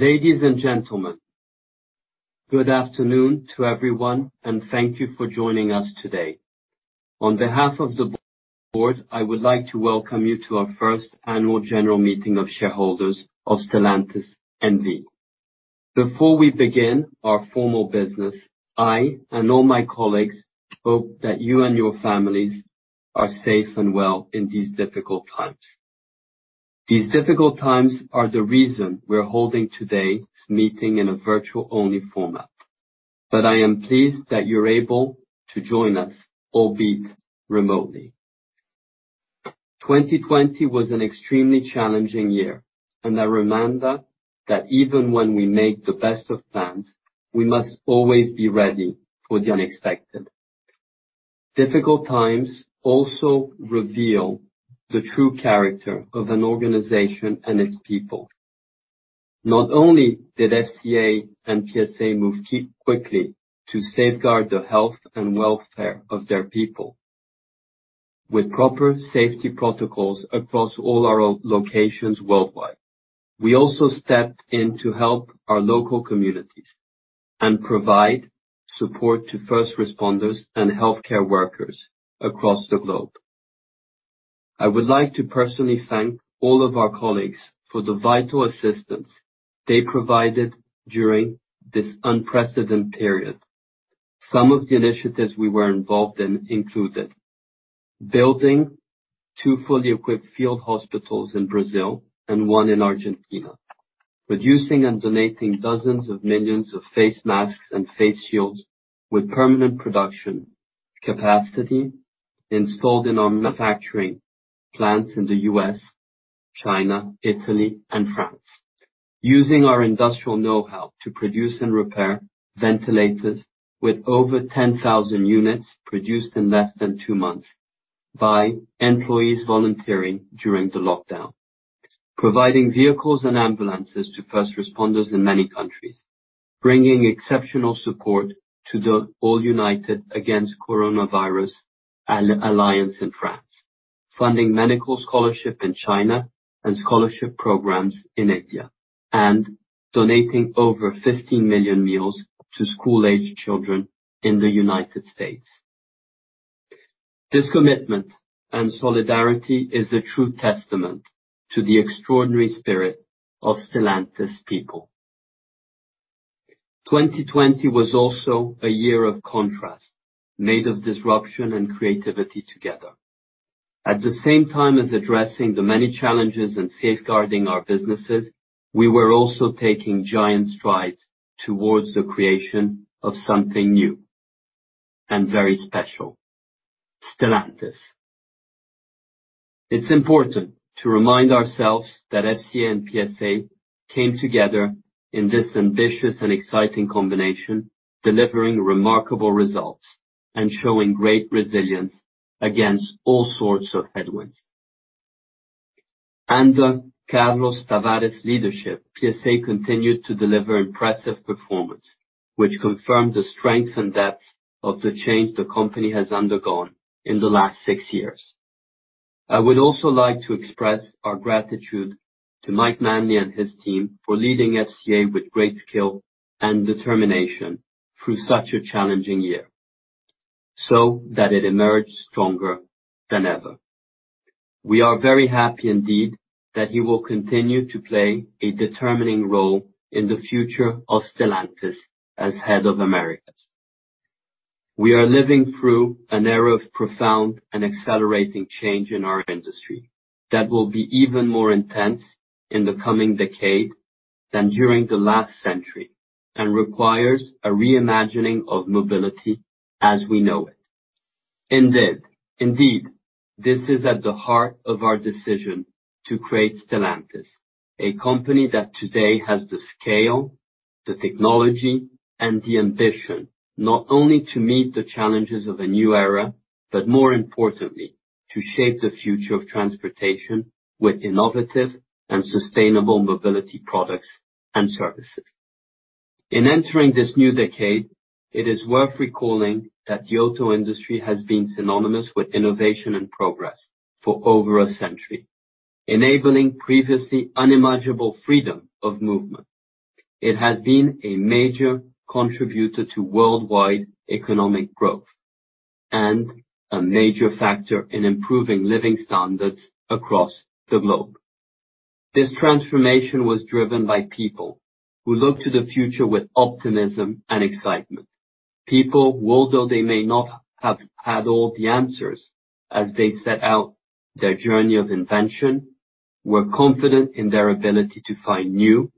Ladies and gentlemen, good afternoon to everyone, and thank you for joining us today. On behalf of the board, I would like to welcome you to our First Annual General Meeting of Shareholders of Stellantis N.V. Before we begin our formal business, I and all my colleagues hope that you and your families are safe and well in these difficult times. These difficult times are the reason we're holding today's meeting in a virtual-only format. I am pleased that you're able to join us, albeit remotely. 2020 was an extremely challenging year, and a reminder that even when we make the best of plans, we must always be ready for the unexpected. Difficult times also reveal the true character of an organization and its people. Not only did FCA and PSA move quickly to safeguard the health and welfare of their people with proper safety protocols across all our locations worldwide, we also stepped in to help our local communities and provide support to first responders and healthcare workers across the globe. I would like to personally thank all of our colleagues for the vital assistance they provided during this unprecedented period. Some of the initiatives we were involved in included building two fully equipped field hospitals in Brazil and one in Argentina. Producing and donating dozens of millions of face masks and face shields with permanent production capacity installed in our manufacturing plants in the U.S., China, Italy, and France. Using our industrial knowhow to produce and repair ventilators with over 10,000 units produced in less than two months by employees volunteering during the lockdown. Providing vehicles and ambulances to first responders in many countries. Bringing exceptional support to the Tous Unis Contre le Virus alliance in France. Funding medical scholarship in China and scholarship programs in India, and donating over 15 million meals to school-aged children in the U.S. This commitment and solidarity is a true testament to the extraordinary spirit of Stellantis people. 2020 was also a year of contrast, made of disruption and creativity together. At the same time as addressing the many challenges and safeguarding our businesses, we were also taking giant strides towards the creation of something new and very special, Stellantis. It's important to remind ourselves that FCA and PSA came together in this ambitious and exciting combination, delivering remarkable results and showing great resilience against all sorts of headwinds. Under Carlos Tavares' leadership, PSA continued to deliver impressive performance, which confirmed the strength and depth of the change the company has undergone in the last six years. I would also like to express our gratitude to Mike Manley and his team for leading FCA with great skill and determination through such a challenging year, so that it emerged stronger than ever. We are very happy indeed that he will continue to play a determining role in the future of Stellantis as Head of Americas. We are living through an era of profound and accelerating change in our industry that will be even more intense in the coming decade than during the last century, and requires a reimagining of mobility as we know it. Indeed, this is at the heart of our decision to create Stellantis, a company that today has the scale, the technology, and the ambition, not only to meet the challenges of a new era, but more importantly, to shape the future of transportation with innovative and sustainable mobility products and services. In entering this new decade, it is worth recalling that the auto industry has been synonymous with innovation and progress for over a century, enabling previously unimaginable freedom of movement. It has been a major contributor to worldwide economic growth and a major factor in improving living standards across the globe. This transformation was driven by people who look to the future with optimism and excitement. People who, although they may not have had all the answers as they set out their journey of invention, were confident in their ability to find new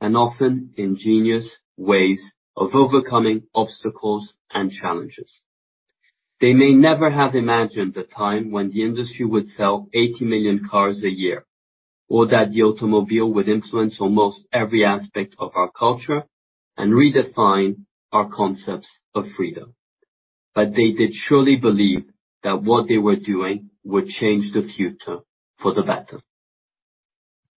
and often ingenious ways of overcoming obstacles and challenges. They may never have imagined the time when the industry would sell 80 million cars a year, or that the automobile would influence almost every aspect of our culture and redefine our concepts of freedom. They did surely believe that what they were doing would change the future for the better.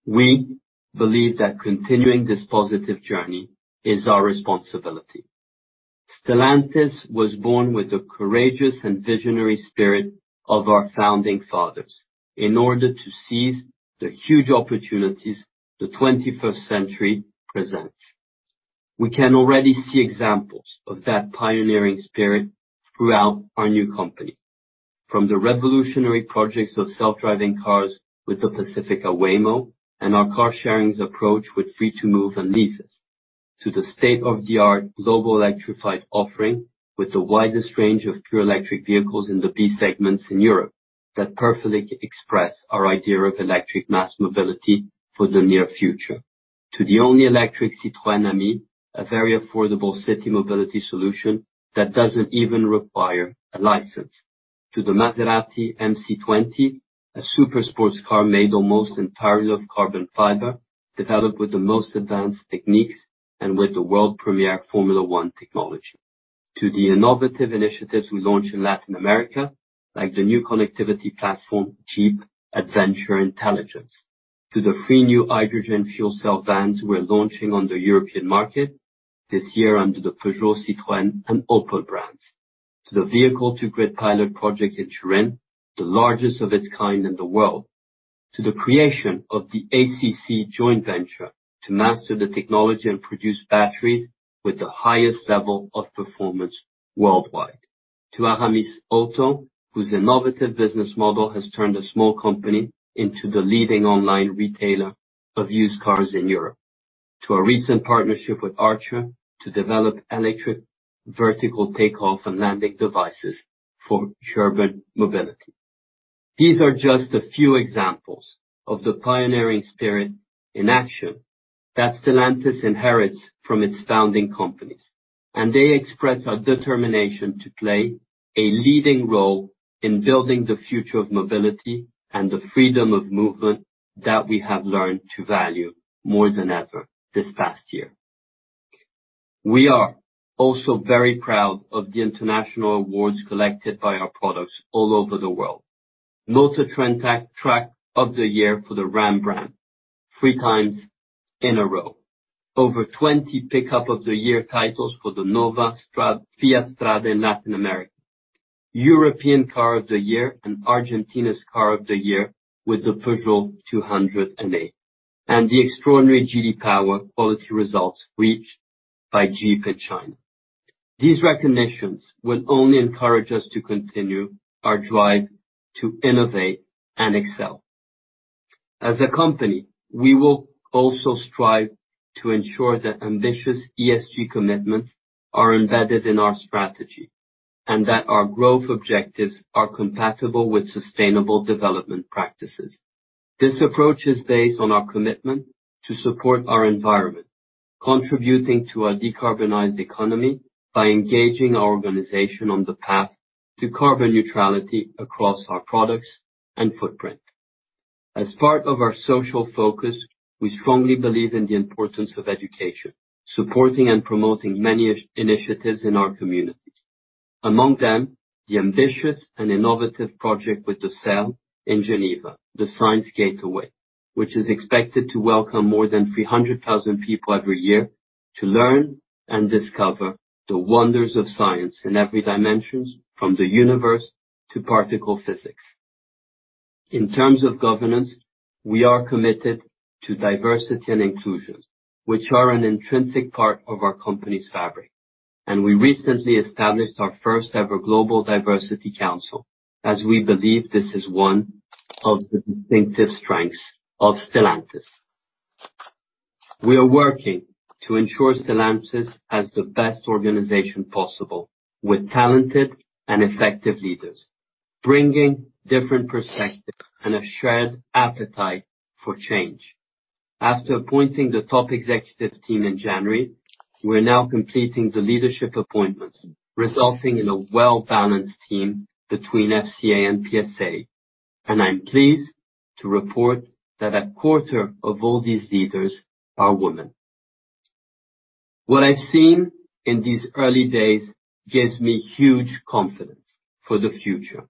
We believe that continuing this positive journey is our responsibility. Stellantis was born with the courageous and visionary spirit of our founding fathers, in order to seize the huge opportunities the 21st century presents. We can already see examples of that pioneering spirit throughout our new company. From the revolutionary projects of self-driving cars with the Pacifica Waymo, and our car sharing approach with Free2move and Leasys, to the state-of-the-art global electrified offering with the widest range of pure electric vehicles in the B segments in Europe that perfectly express our idea of electric mass mobility for the near future. To the only electric Citroën Ami, a very affordable city mobility solution that doesn't even require a license. To the Maserati MC20, a super sports car made almost entirely of carbon fiber, developed with the most advanced techniques, and with the world premiere Formula 1 technology. To the innovative initiatives we launched in Latin America, like the new connectivity platform, Jeep Adventure Intelligence. To the three new hydrogen fuel cell vans we're launching on the European market this year under the Peugeot, Citroën, and Opel brands. To the vehicle-to-grid pilot project in Turin, the largest of its kind in the world. To the creation of the ACC joint venture to master the technology and produce batteries with the highest level of performance worldwide. To Aramisauto, whose innovative business model has turned a small company into the leading online retailer of used cars in Europe. To our recent partnership with Archer to develop electric vertical take-off and landing devices for urban mobility. These are just a few examples of the pioneering spirit in action that Stellantis inherits from its founding companies, and they express our determination to play a leading role in building the future of mobility and the freedom of movement that we have learned to value more than ever this past year. We are also very proud of the international awards collected by our products all over the world. MotorTrend Truck of the Year for the Ram brand, three times in a row. Over 20 Pickup of the Year titles for the Nova Fiat Strada in Latin America. European Car of the Year and Argentina's Car of the Year with the Peugeot 208. The extraordinary J.D. Power quality results reached by Jeep in China. These recognitions will only encourage us to continue our drive to innovate and excel. As a company, we will also strive to ensure that ambitious ESG commitments are embedded in our strategy, and that our growth objectives are compatible with sustainable development practices. This approach is based on our commitment to support our environment, contributing to a decarbonized economy by engaging our organization on the path to carbon neutrality across our products and footprint. As part of our social focus, we strongly believe in the importance of education, supporting and promoting many initiatives in our communities. Among them, the ambitious and innovative project with the CERN in Geneva, the Science Gateway, which is expected to welcome more than 300,000 people every year to learn and discover the wonders of science in every dimension, from the universe to particle physics. In terms of governance, we are committed to diversity and inclusions, which are an intrinsic part of our company's fabric. We recently established our first-ever global diversity council, as we believe this is one of the distinctive strengths of Stellantis. We are working to ensure Stellantis has the best organization possible with talented and effective leaders, bringing different perspectives and a shared appetite for change. After appointing the top executive team in January, we're now completing the leadership appointments, resulting in a well-balanced team between FCA and PSA. I'm pleased to report that a quarter of all these leaders are women. What I've seen in these early days gives me huge confidence for the future,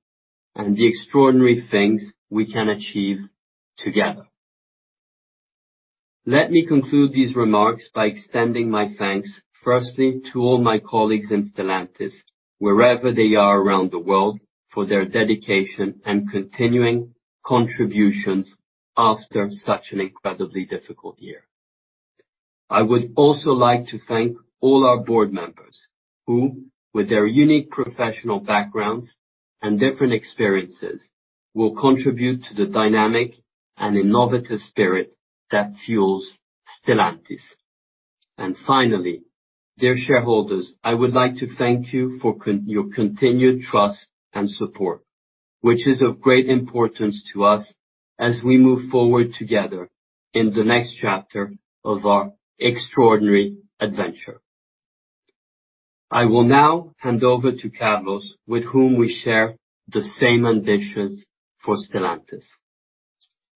and the extraordinary things we can achieve together. Let me conclude these remarks by extending my thanks, firstly, to all my colleagues in Stellantis, wherever they are around the world, for their dedication and continuing contributions after such an incredibly difficult year. I would also like to thank all our board members, who with their unique professional backgrounds and different experiences, will contribute to the dynamic and innovative spirit that fuels Stellantis. Finally, dear shareholders, I would like to thank you for your continued trust and support, which is of great importance to us as we move forward together in the next chapter of our extraordinary adventure. I will now hand over to Carlos, with whom we share the same ambitions for Stellantis.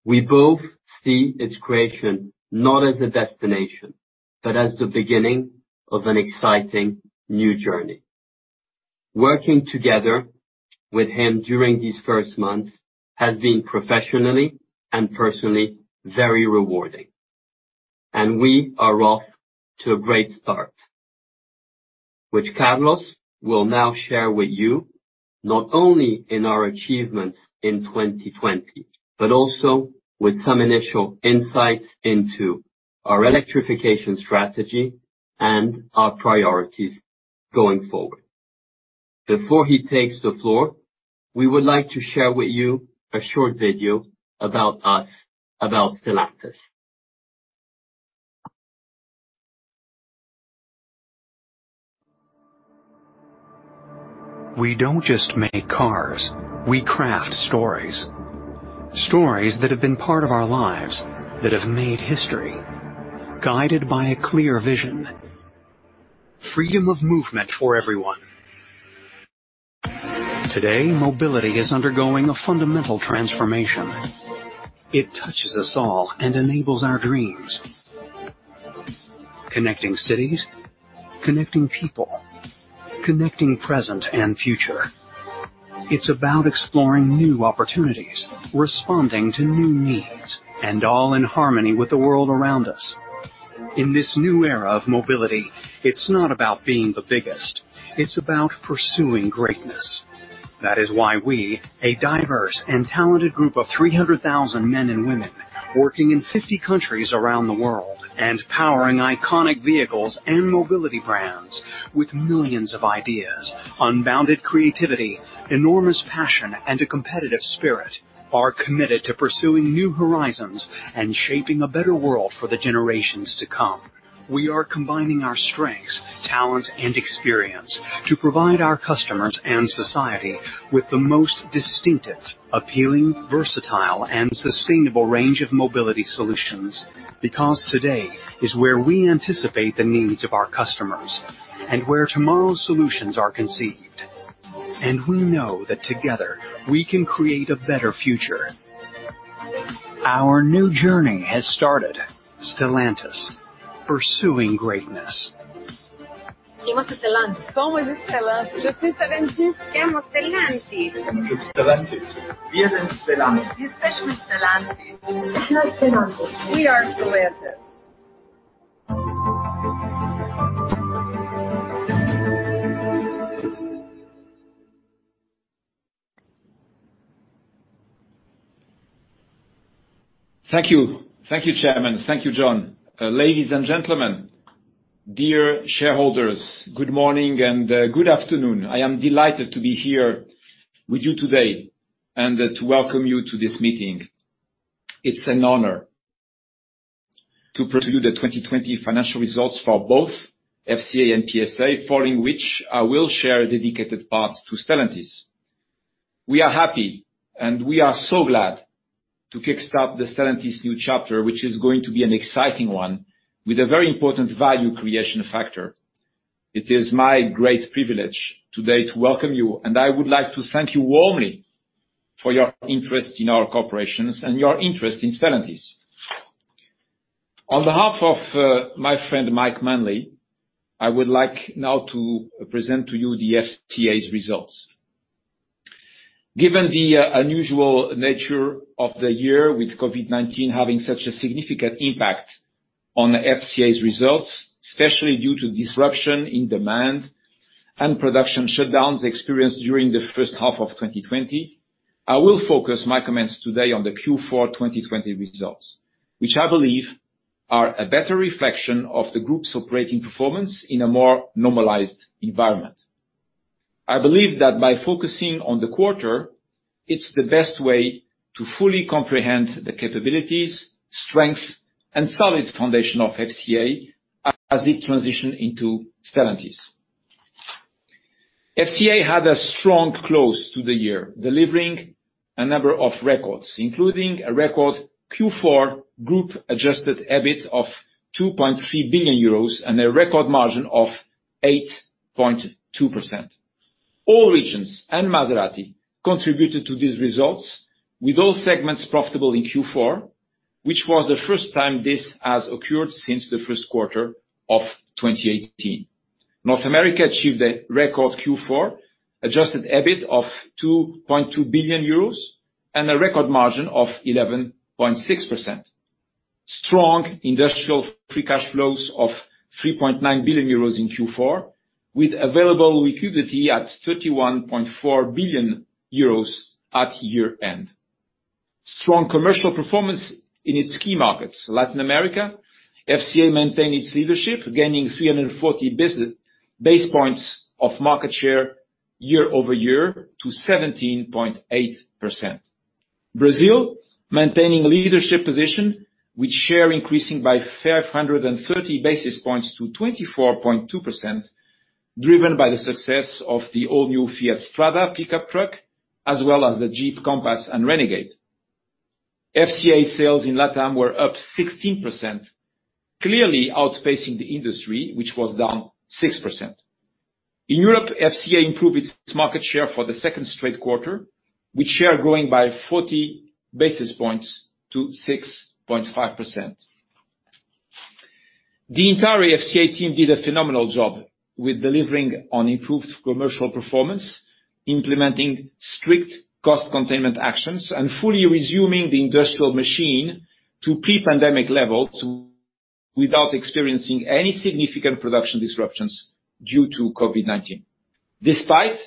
We both see its creation not as a destination, but as the beginning of an exciting new journey. Working together with him during these first months has been professionally and personally very rewarding. We are off to a great start, which Carlos will now share with you, not only in our achievements in 2020, but also with some initial insights into our electrification strategy and our priorities going forward. Before he takes the floor, we would like to share with you a short video about us, about Stellantis. We don't just make cars, we craft stories. Stories that have been part of our lives, that have made history, guided by a clear vision, freedom of movement for everyone. Today, mobility is undergoing a fundamental transformation. It touches us all and enables our dreams. Connecting cities, connecting people, connecting present and future. It's about exploring new opportunities, responding to new needs, and all in harmony with the world around us. In this new era of mobility, it's not about being the biggest, it's about pursuing greatness. That is why we, a diverse and talented group of 300,000 men and women working in 50 countries around the world, and powering iconic vehicles and mobility brands with millions of ideas, unbounded creativity, enormous passion, and a competitive spirit, are committed to pursuing new horizons and shaping a better world for the generations to come. We are combining our strengths, talents, and experience to provide our customers and society with the most distinctive, appealing, versatile, and sustainable range of mobility solutions. Because today is where we anticipate the needs of our customers and where tomorrow's solutions are conceived. We know that together, we can create a better future. Our new journey has started. Stellantis, pursuing greatness. Thank you. Thank you, Chairman. Thank you, John. Ladies and gentlemen, dear shareholders, good morning and good afternoon. I am delighted to be here with you today and to welcome you to this meeting. It's an honor to present you the 2020 financial results for both FCA and PSA, following which I will share dedicated parts to Stellantis. We are happy, and we are so glad to kickstart the Stellantis new chapter, which is going to be an exciting one with a very important value creation factor. It is my great privilege today to welcome you, and I would like to thank you warmly for your interest in our corporations and your interest in Stellantis. On behalf of my friend, Mike Manley, I would like now to present to you the FCA's results. Given the unusual nature of the year with COVID-19 having such a significant impact on FCA's results, especially due to disruption in demand and production shutdowns experienced during the first half of 2020, I will focus my comments today on the Q4 2020 results, which I believe are a better reflection of the group's operating performance in a more normalized environment. I believe that by focusing on the quarter, it's the best way to fully comprehend the capabilities, strengths, and solid foundation of FCA as it transition into Stellantis. FCA had a strong close to the year, delivering a number of records, including a record Q4 group Adjusted EBIT of 2.3 billion euros and a record margin of 8.2%. All regions and Maserati contributed to these results, with all segments profitable in Q4, which was the first time this has occurred since the Q1 of 2018. North America achieved a record Q4 Adjusted EBIT of 2.2 billion euros and a record margin of 11.6%. Strong industrial free cash flows of 3.9 billion euros in Q4, with available liquidity at 31.4 billion euros at year-end. Strong commercial performance in its key markets. Latin America, FCA maintained its leadership, gaining 340 basis points of market share year-over-year to 17.8%. Brazil, maintaining leadership position with share increasing by 530 basis points to 24.2%, driven by the success of the all-new Fiat Strada pickup truck, as well as the Jeep Compass and Renegade. FCA sales in LatAm were up 16%, clearly outpacing the industry, which was down 6%. In Europe, FCA improved its market share for the second straight quarter, with share growing by 40 basis points to 6.5%. The entire FCA team did a phenomenal job with delivering on improved commercial performance, implementing strict cost containment actions, and fully resuming the industrial machine to pre-pandemic levels without experiencing any significant production disruptions due to COVID-19. Despite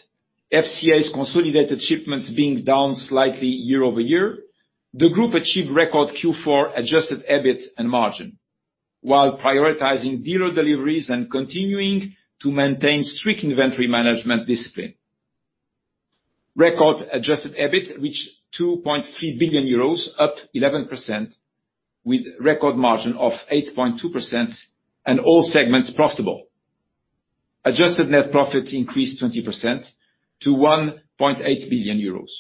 FCA's consolidated shipments being down slightly year-over-year, the group achieved record Q4 Adjusted EBIT and margin, while prioritizing zero deliveries and continuing to maintain strict inventory management discipline. Record Adjusted EBIT reached 2.3 billion euros, up 11%, with record margin of 8.2% and all segments profitable. Adjusted net profit increased 20% to 1.8 billion euros.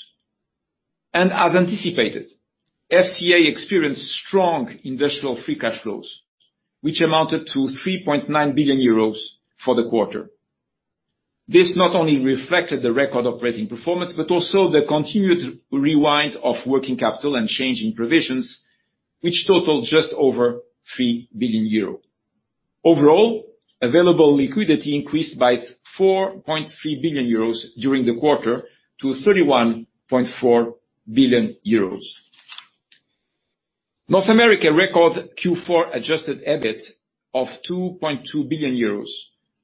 As anticipated, FCA experienced strong industrial free cash flows, which amounted to 3.9 billion euros for the quarter. This not only reflected the record operating performance, but also the continued rewind of working capital and change in provisions, which totaled just over 3 billion euro. Overall, available liquidity increased by 4.3 billion euros during the quarter to 31.4 billion euros. North America record Q4 Adjusted EBIT of 2.2 billion euros,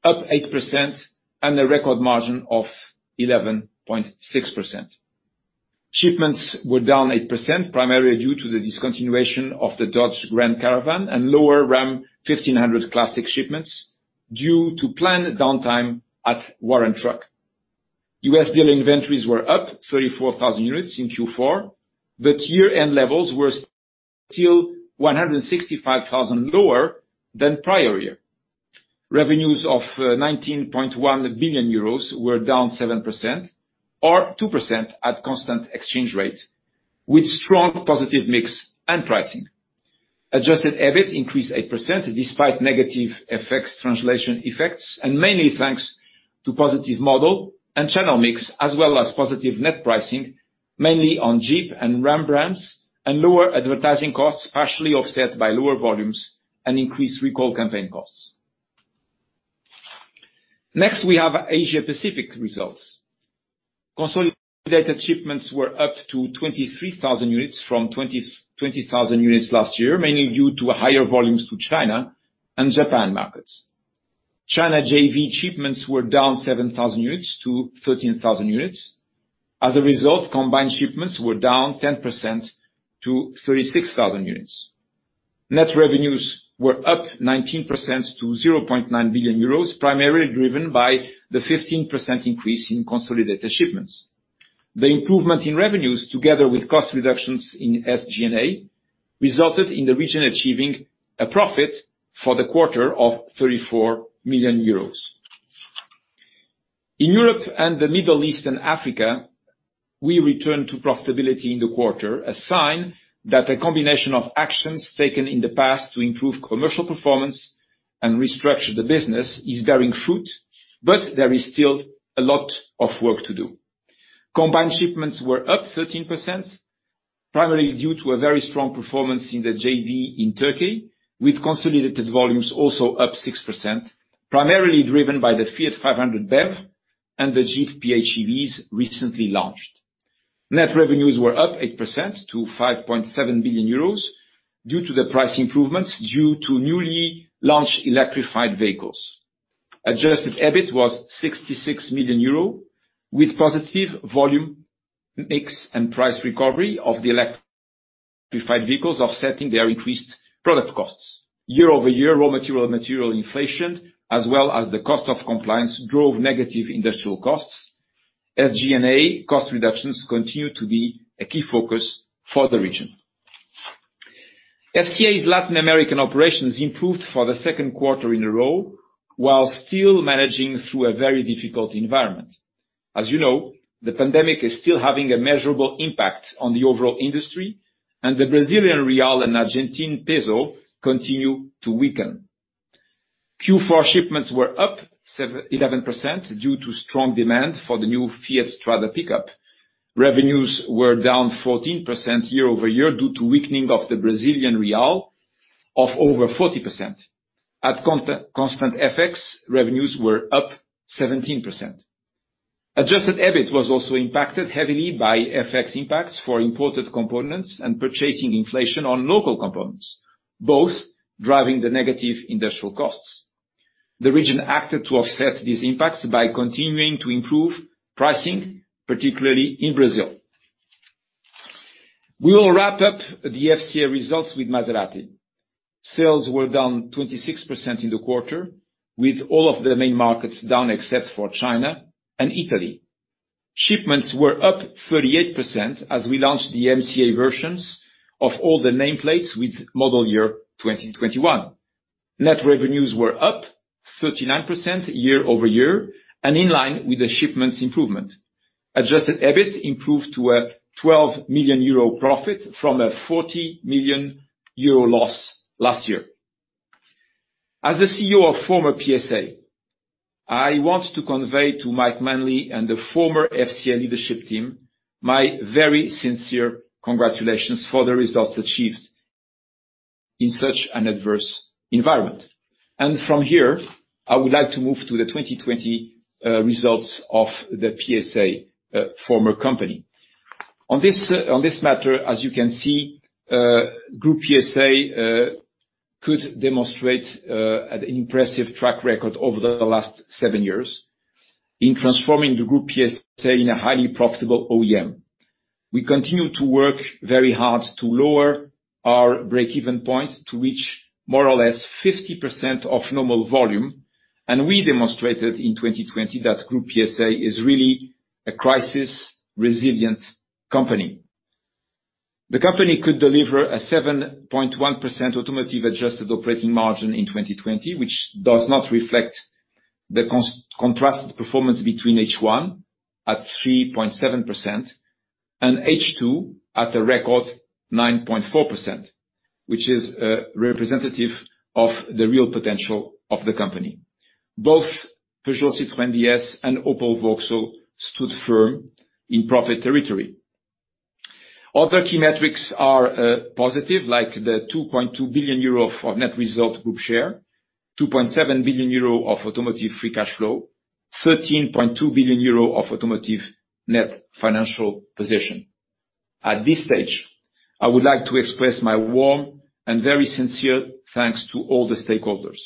up 8%, and a record margin of 11.6%. Shipments were down 8%, primarily due to the discontinuation of the Dodge Grand Caravan and lower Ram 1500 Classic shipments due to planned downtime at Warren Truck. U.S. dealer inventories were up 34,000 units in Q4, but year-end levels were still 165,000 lower than prior year. Revenues of 19.1 billion euros were down 7% or 2% at constant exchange rates, with strong positive mix and pricing. Adjusted EBIT increased 8% despite negative FX translation effects and mainly thanks to positive model and channel mix, as well as positive net pricing, mainly on Jeep and Ram brands, and lower advertising costs partially offset by lower volumes and increased recall campaign costs. Next, we have Asia Pacific results. Consolidated shipments were up to 23,000 units from 20,000 units last year, mainly due to higher volumes to China and Japan markets. China JV shipments were down 7,000 units to 13,000 units. As a result, combined shipments were down 10% to 36,000 units. Net revenues were up 19% to 0.9 billion euros, primarily driven by the 15% increase in consolidated shipments. The improvement in revenues, together with cost reductions in SG&A, resulted in the region achieving a profit for the quarter of 34 million euros. In Europe and the Middle East and Africa, we returned to profitability in the quarter, a sign that a combination of actions taken in the past to improve commercial performance and restructure the business is bearing fruit. There is still a lot of work to do. Combined shipments were up 13%, primarily due to a very strong performance in the JV in Turkey, with consolidated volumes also up 6%, primarily driven by the Fiat 500 BEV and the Jeep PHEVs recently launched. Net revenues were up 8% to 5.7 billion euros due to the price improvements due to newly launched electrified vehicles. Adjusted EBIT was 66 million euro with positive volume mix and price recovery of the electrified vehicles offsetting their increased product costs. Year-over-year, raw material and material inflation, as well as the cost of compliance, drove negative industrial costs. SG&A cost reductions continue to be a key focus for the region. FCA's Latin American operations improved for the second quarter in a row, while still managing through a very difficult environment. As you know, the pandemic is still having a measurable impact on the overall industry, and the Brazilian real and Argentine peso continue to weaken. Q4 shipments were up 11% due to strong demand for the new Fiat Strada pickup. Revenues were down 14% year-over-year due to weakening of the Brazilian real of over 40%. At constant FX, revenues were up 17%. Adjusted EBIT was also impacted heavily by FX impacts for imported components and purchasing inflation on local components, both driving the negative industrial costs. The region acted to offset these impacts by continuing to improve pricing, particularly in Brazil. We will wrap up the FCA results with Maserati. Sales were down 26% in the quarter, with all of the main markets down except for China and Italy. Shipments were up 38% as we launched the MCA versions of all the nameplates with model year 2021. Net revenues were up 39% year-over-year and in line with the shipments improvement. Adjusted EBIT improved to a 12 million euro profit from a 40 million euro loss last year. As the CEO of former PSA I want to convey to Mike Manley and the former FCA leadership team, my very sincere congratulations for the results achieved in such an adverse environment. From here, I would like to move to the 2020 results of the PSA former company. On this matter, as you can see, Groupe PSA could demonstrate an impressive track record over the last seven years in transforming the Groupe PSA in a highly profitable OEM. We continue to work very hard to lower our break-even point to reach more or less 50% of normal volume, and we demonstrated in 2020 that Groupe PSA is really a crisis resilient company. The company could deliver a 7.1% automotive adjusted operating margin in 2020, which does not reflect the contrasted performance between H1 at 3.7% and H2 at a record 9.4%, which is representative of the real potential of the company. Both Peugeot, Citroën, DS, and Opel Vauxhall stood firm in profit territory. Other key metrics are positive, like the 2.2 billion euro of net result group share, 2.7 billion euro of automotive free cash flow, 13.2 billion euro of automotive net financial position. At this stage, I would like to express my warm and very sincere thanks to all the stakeholders.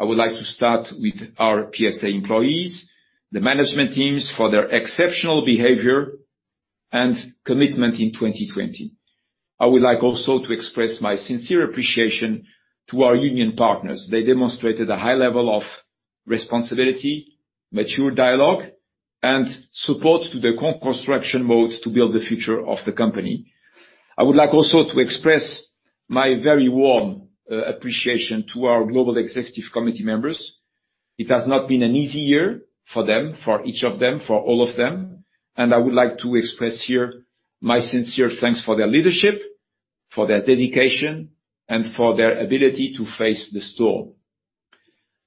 I would like to start with our PSA employees, the management teams, for their exceptional behavior and commitment in 2020. I would like also to express my sincere appreciation to our union partners. They demonstrated a high level of responsibility, mature dialogue, and support to the co-construction mode to build the future of the company. I would like also to express my very warm appreciation to our global executive committee members. It has not been an easy year for them, for each of them, for all of them. I would like to express here my sincere thanks for their leadership, for their dedication, and for their ability to face the storm.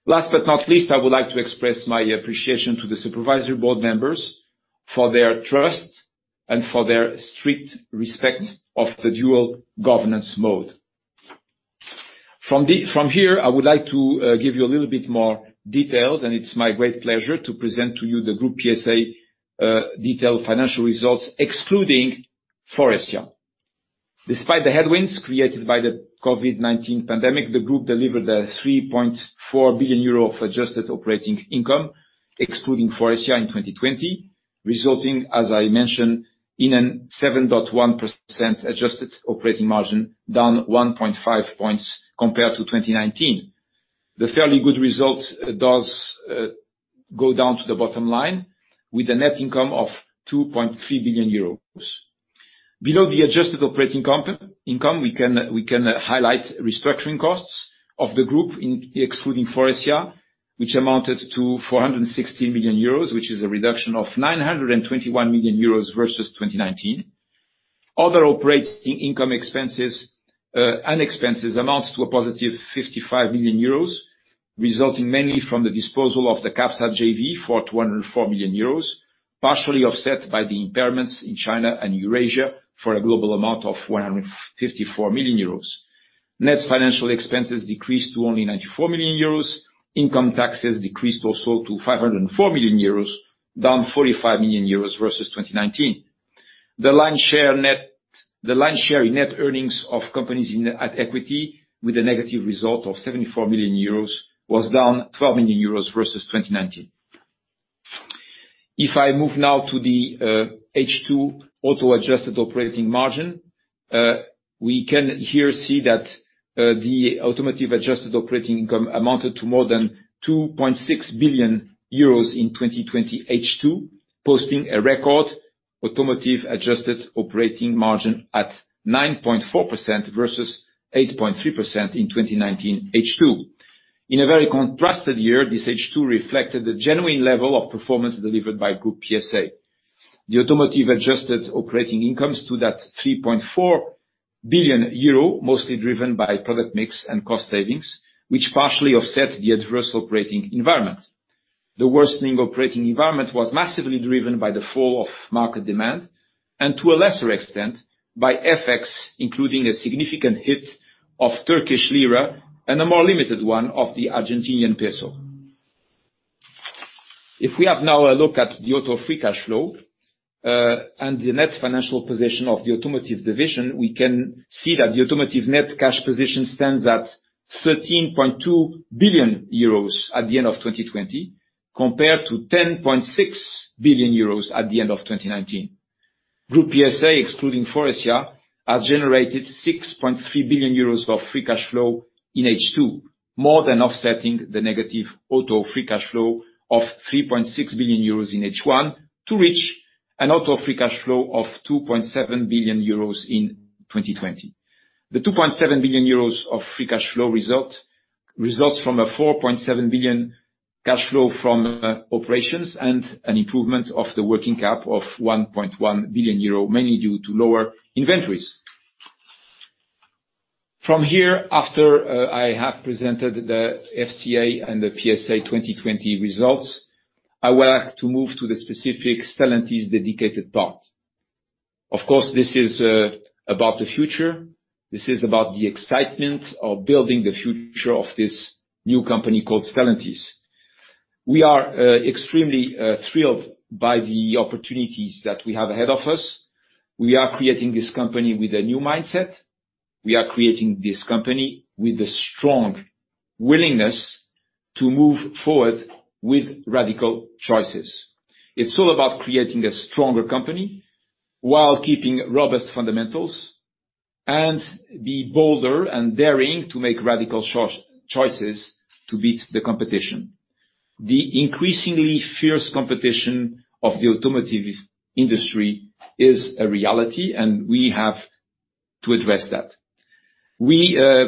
Last but not least, I would like to express my appreciation to the supervisory board members for their trust and for their strict respect of the dual governance mode. From here, I would like to give you a little bit more details. It's my great pleasure to present to you the Groupe PSA detailed financial results, excluding Faurecia. Despite the headwinds created by the COVID-19 pandemic, the group delivered a 3.4 billion euro of adjusted operating income, excluding Faurecia in 2020, resulting, as I mentioned, in a 7.1% adjusted operating margin, down 1.5 points compared to 2019. The fairly good result does go down to the bottom line, with a net income of 2.3 billion euros. Below the adjusted operating income, we can highlight restructuring costs of the group excluding Faurecia, which amounted to 416 million euros, which is a reduction of 921 million euros versus 2019. Other operating income and expenses amounts to a positive 55 million euros, resulting mainly from the disposal of the CAPSA JV for 204 million euros, partially offset by the impairments in China and Eurasia for a global amount of 154 million euros. Net financial expenses decreased to only 94 million euros. Income taxes decreased also to 504 million euros, down 45 million euros versus 2019. The line share in net earnings of companies at equity with a negative result of 74 million euros was down 12 million euros versus 2019. If I move now to the H2 auto adjusted operating margin, we can here see that the automotive adjusted operating income amounted to more than 2.6 billion euros in 2020 H2, posting a record automotive adjusted operating margin at 9.4% versus 8.3% in 2019 H2. In a very contrasted year, this H2 reflected the genuine level of performance delivered by Groupe PSA. The automotive adjusted operating income stood at 3.4 billion euro, mostly driven by product mix and cost savings, which partially offset the adverse operating environment. The worsening operating environment was massively driven by the fall of market demand, to a lesser extent, by FX, including a significant hit of Turkish lira, and a more limited one of the Argentine peso. We have now a look at the auto free cash flow, and the net financial position of the automotive division, we can see that the automotive net cash position stands at 13.2 billion euros at the end of 2020, compared to 10.6 billion euros at the end of 2019. Groupe PSA, excluding Faurecia, has generated 6.3 billion euros of free cash flow in H2, more than offsetting the negative auto free cash flow of 3.6 billion euros in H1, to reach an auto free cash flow of 2.7 billion euros in 2020. The 2.7 billion euros of free cash flow results from a 4.7 billion cash flow from operations and an improvement of the working cap of 1.1 billion euro, mainly due to lower inventories. From here, after I have presented the FCA and the PSA 2020 results, I would like to move to the specific Stellantis dedicated part. Of course, this is about the future. This is about the excitement of building the future of this new company called Stellantis. We are extremely thrilled by the opportunities that we have ahead of us. We are creating this company with a new mindset. We are creating this company with a strong willingness to move forward with radical choices. It's all about creating a stronger company while keeping robust fundamentals, and be bolder and daring to make radical choices to beat the competition. The increasingly fierce competition of the automotive industry is a reality, and we have to address that. We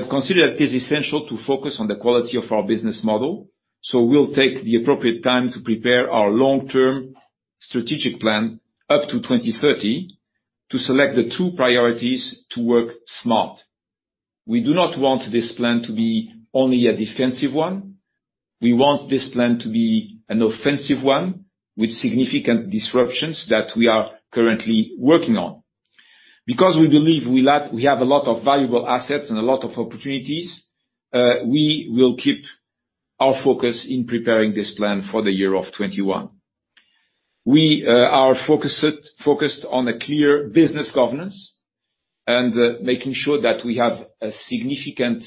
consider it is essential to focus on the quality of our business model. We'll take the appropriate time to prepare our long-term strategic plan up to 2030 to select the two priorities to work smart. We do not want this plan to be only a defensive one. We want this plan to be an offensive one with significant disruptions that we are currently working on. We believe we have a lot of valuable assets and a lot of opportunities, we will keep our focus in preparing this plan for the year of 2021. We are focused on a clear business governance and making sure that we have a significant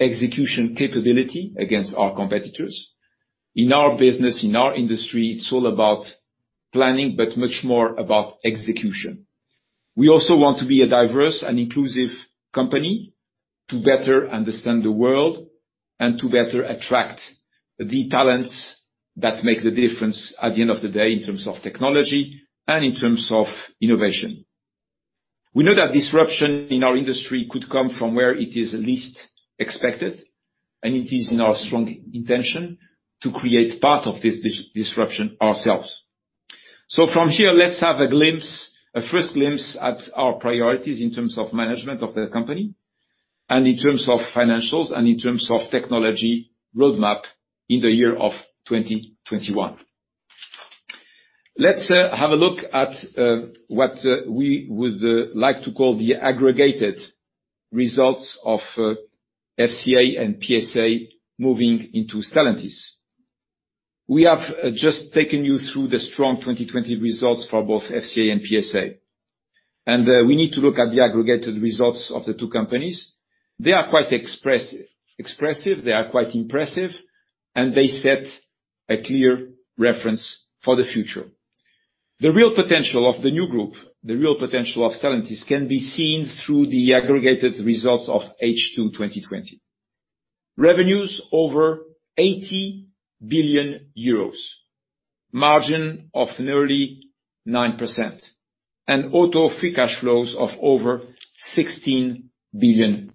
execution capability against our competitors. In our business, in our industry, it's all about planning, but much more about execution. We also want to be a diverse and inclusive company to better understand the world and to better attract the talents that make the difference at the end of the day in terms of technology and in terms of innovation. We know that disruption in our industry could come from where it is least expected, and it is in our strong intention to create part of this disruption ourselves. From here, let's have a glimpse, a first glimpse at our priorities in terms of management of the company and in terms of financials, and in terms of technology roadmap in the year of 2021. Let's have a look at what we would like to call the aggregated results of FCA and PSA moving into Stellantis. We have just taken you through the strong 2020 results for both FCA and PSA, and we need to look at the aggregated results of the two companies. They are quite expressive. They are quite impressive, and they set a clear reference for the future. The real potential of the new group, the real potential of Stellantis, can be seen through the aggregated results of H2 2020. Revenues over 80 billion euros, margin of nearly 9%, and auto free cash flows of over 16 billion euros.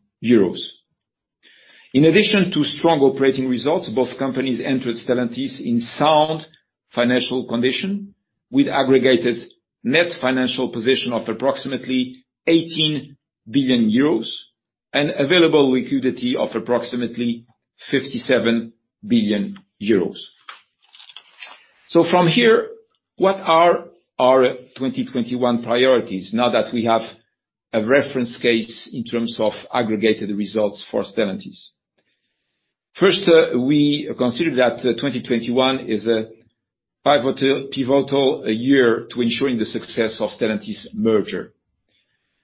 In addition to strong operating results, both companies entered Stellantis in sound financial condition, with aggregated net financial position of approximately 18 billion euros and available liquidity of approximately 57 billion euros. From here, what are our 2021 priorities now that we have a reference case in terms of aggregated results for Stellantis? We consider that 2021 is a pivotal year to ensuring the success of Stellantis merger.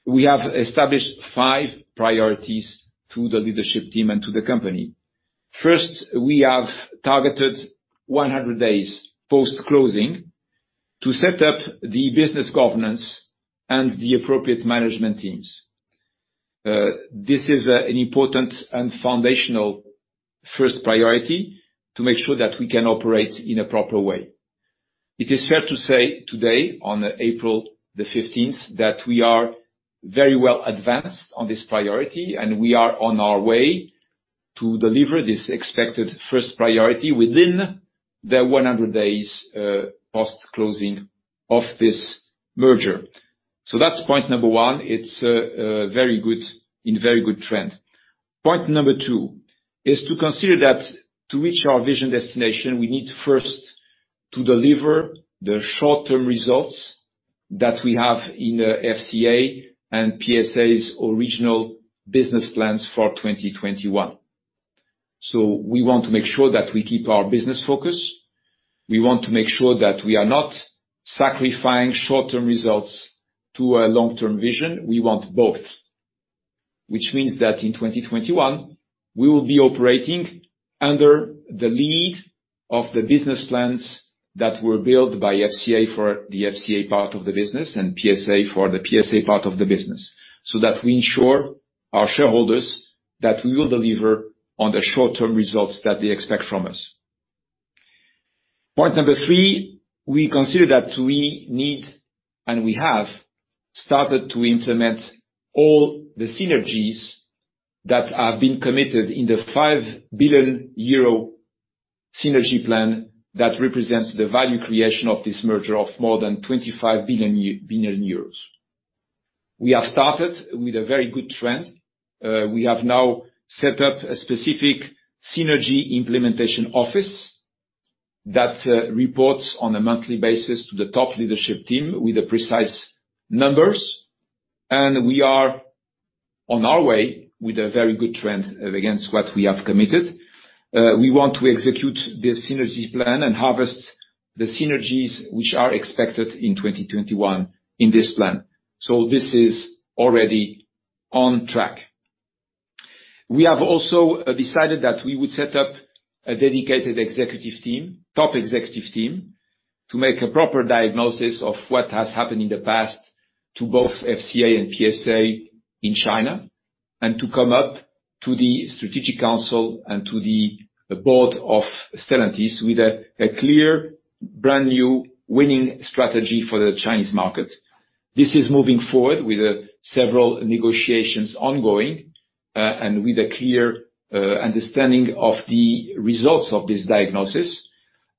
We have established five priorities to the leadership team and to the company. We have targeted 100 days post-closing to set up the business governance and the appropriate management teams. This is an important and foundational first priority to make sure that we can operate in a proper way. It is fair to say today, on April 15th, that we are very well advanced on this priority, and we are on our way to deliver this expected first priority within the 100 days post-closing of this merger. That's point number one. It's in very good trend. Point number two is to consider that to reach our vision destination, we need first to deliver the short-term results that we have in the FCA and PSA's original business plans for 2021. We want to make sure that we keep our business focus. We want to make sure that we are not sacrificing short-term results to a long-term vision. We want both. Which means that in 2021, we will be operating under the lead of the business plans that were built by FCA for the FCA part of the business and PSA for the PSA part of the business, so that we ensure our shareholders that we will deliver on the short-term results that they expect from us. Point number three, we consider that we need, and we have started to implement all the synergies that have been committed in the 5 billion euro synergy plan that represents the value creation of this merger of more than 25 billion. We have started with a very good trend. We have now set up a specific synergy implementation office that reports on a monthly basis to the top leadership team with precise numbers, and we are on our way with a very good trend against what we have committed. We want to execute this synergy plan and harvest the synergies which are expected in 2021 in this plan. This is already on track. We have also decided that we would set up a dedicated executive team, top executive team, to make a proper diagnosis of what has happened in the past to both FCA and PSA in China, and to come up to the strategic council and to the board of Stellantis with a clear, brand-new winning strategy for the Chinese market. This is moving forward with several negotiations ongoing, and with a clear understanding of the results of this diagnosis.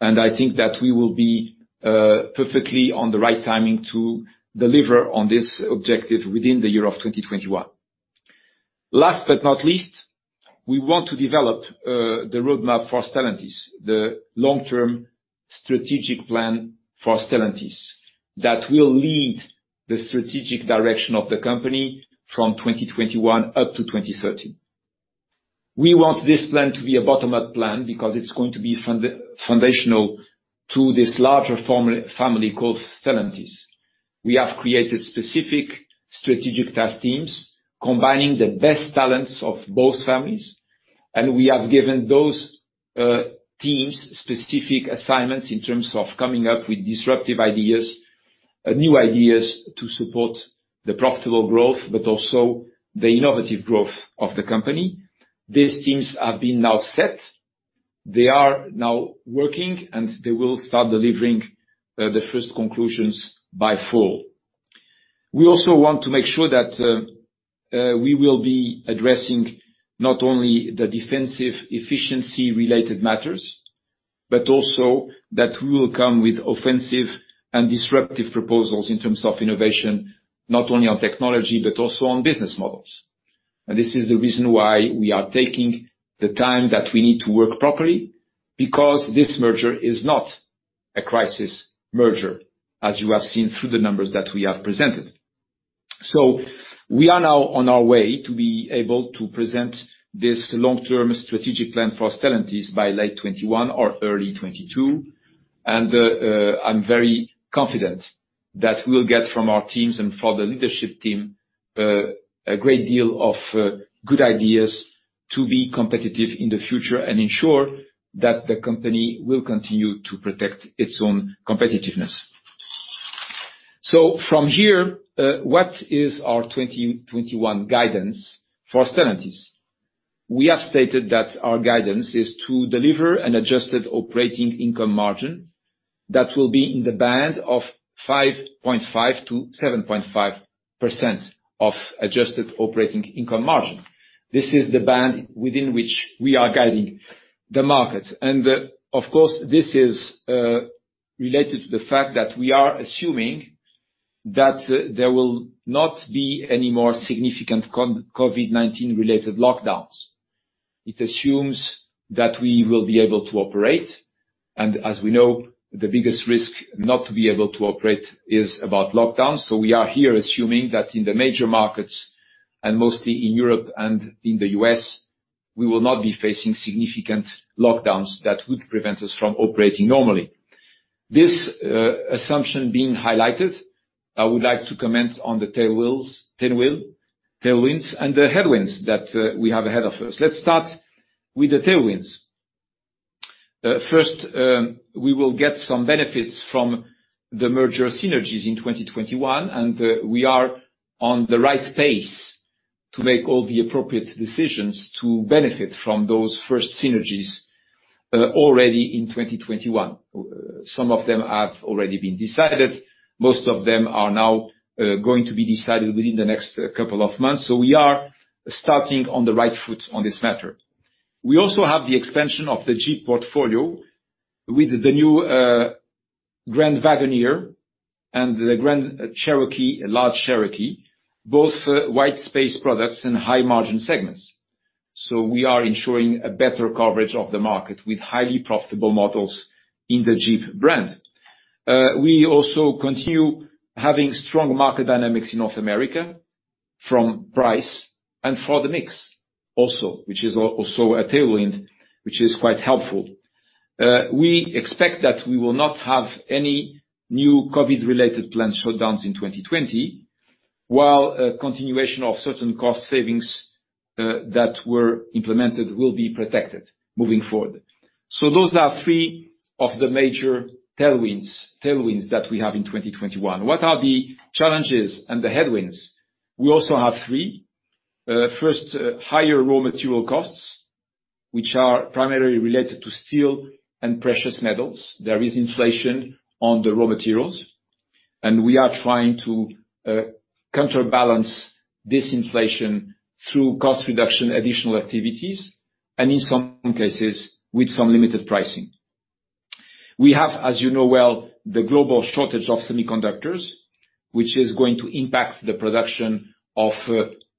I think that we will be perfectly on the right timing to deliver on this objective within the year of 2021. Last but not least, we want to develop the roadmap for Stellantis, the long-term strategic plan for Stellantis, that will lead the strategic direction of the company from 2021 up to 2030. We want this plan to be a bottom-up plan, because it's going to be foundational to this larger family called Stellantis. We have created specific strategic task teams, combining the best talents of both families, and we have given those teams specific assignments in terms of coming up with disruptive ideas, new ideas to support the profitable growth, but also the innovative growth of the company. These teams have been now set. They are now working, and they will start delivering the first conclusions by fall. We also want to make sure that we will be addressing not only the defensive efficiency-related matters, but also that we will come with offensive and disruptive proposals in terms of innovation, not only on technology, but also on business models. This is the reason why we are taking the time that we need to work properly, because this merger is not a crisis merger, as you have seen through the numbers that we have presented. We are now on our way to be able to present this long-term strategic plan for Stellantis by late 2021 or early 2022. I'm very confident that we'll get from our teams and for the leadership team, a great deal of good ideas to be competitive in the future and ensure that the company will continue to protect its own competitiveness. From here, what is our 2021 guidance for Stellantis? We have stated that our guidance is to deliver an adjusted operating income margin that will be in the band of 5.5% to 7.5% of adjusted operating income margin. This is the band within which we are guiding the market. Of course, this is related to the fact that we are assuming that there will not be any more significant COVID-19-related lockdowns. It assumes that we will be able to operate, and as we know, the biggest risk not to be able to operate is about lockdowns. We are here assuming that in the major markets, and mostly in Europe and in the U.S., we will not be facing significant lockdowns that would prevent us from operating normally. This assumption being highlighted, I would like to comment on the tailwinds and the headwinds that we have ahead of us. Let's start with the tailwinds. First, we will get some benefits from the merger synergies in 2021, and we are on the right pace to make all the appropriate decisions to benefit from those first synergies, already in 2021. Some of them have already been decided. Most of them are now going to be decided within the next couple of months. We are starting on the right foot on this matter. We also have the expansion of the Jeep portfolio with the new Grand Wagoneer and the Grand Cherokee, large Cherokee, both white space products and high-margin segments. We are ensuring a better coverage of the market with highly profitable models in the Jeep brand. We also continue having strong market dynamics in North America from price and for the mix also, which is also a tailwind, which is quite helpful. We expect that we will not have any new COVID-related plant shutdowns in 2020, while a continuation of certain cost savings that were implemented will be protected moving forward. Those are three of the major tailwinds that we have in 2021. What are the challenges and the headwinds? We also have three. First, higher raw material costs, which are primarily related to steel and precious metals. There is inflation on the raw materials. We are trying to counterbalance this inflation through cost reduction, additional activities, and in some cases, with some limited pricing. We have, as you know well, the global shortage of semiconductors, which is going to impact the production of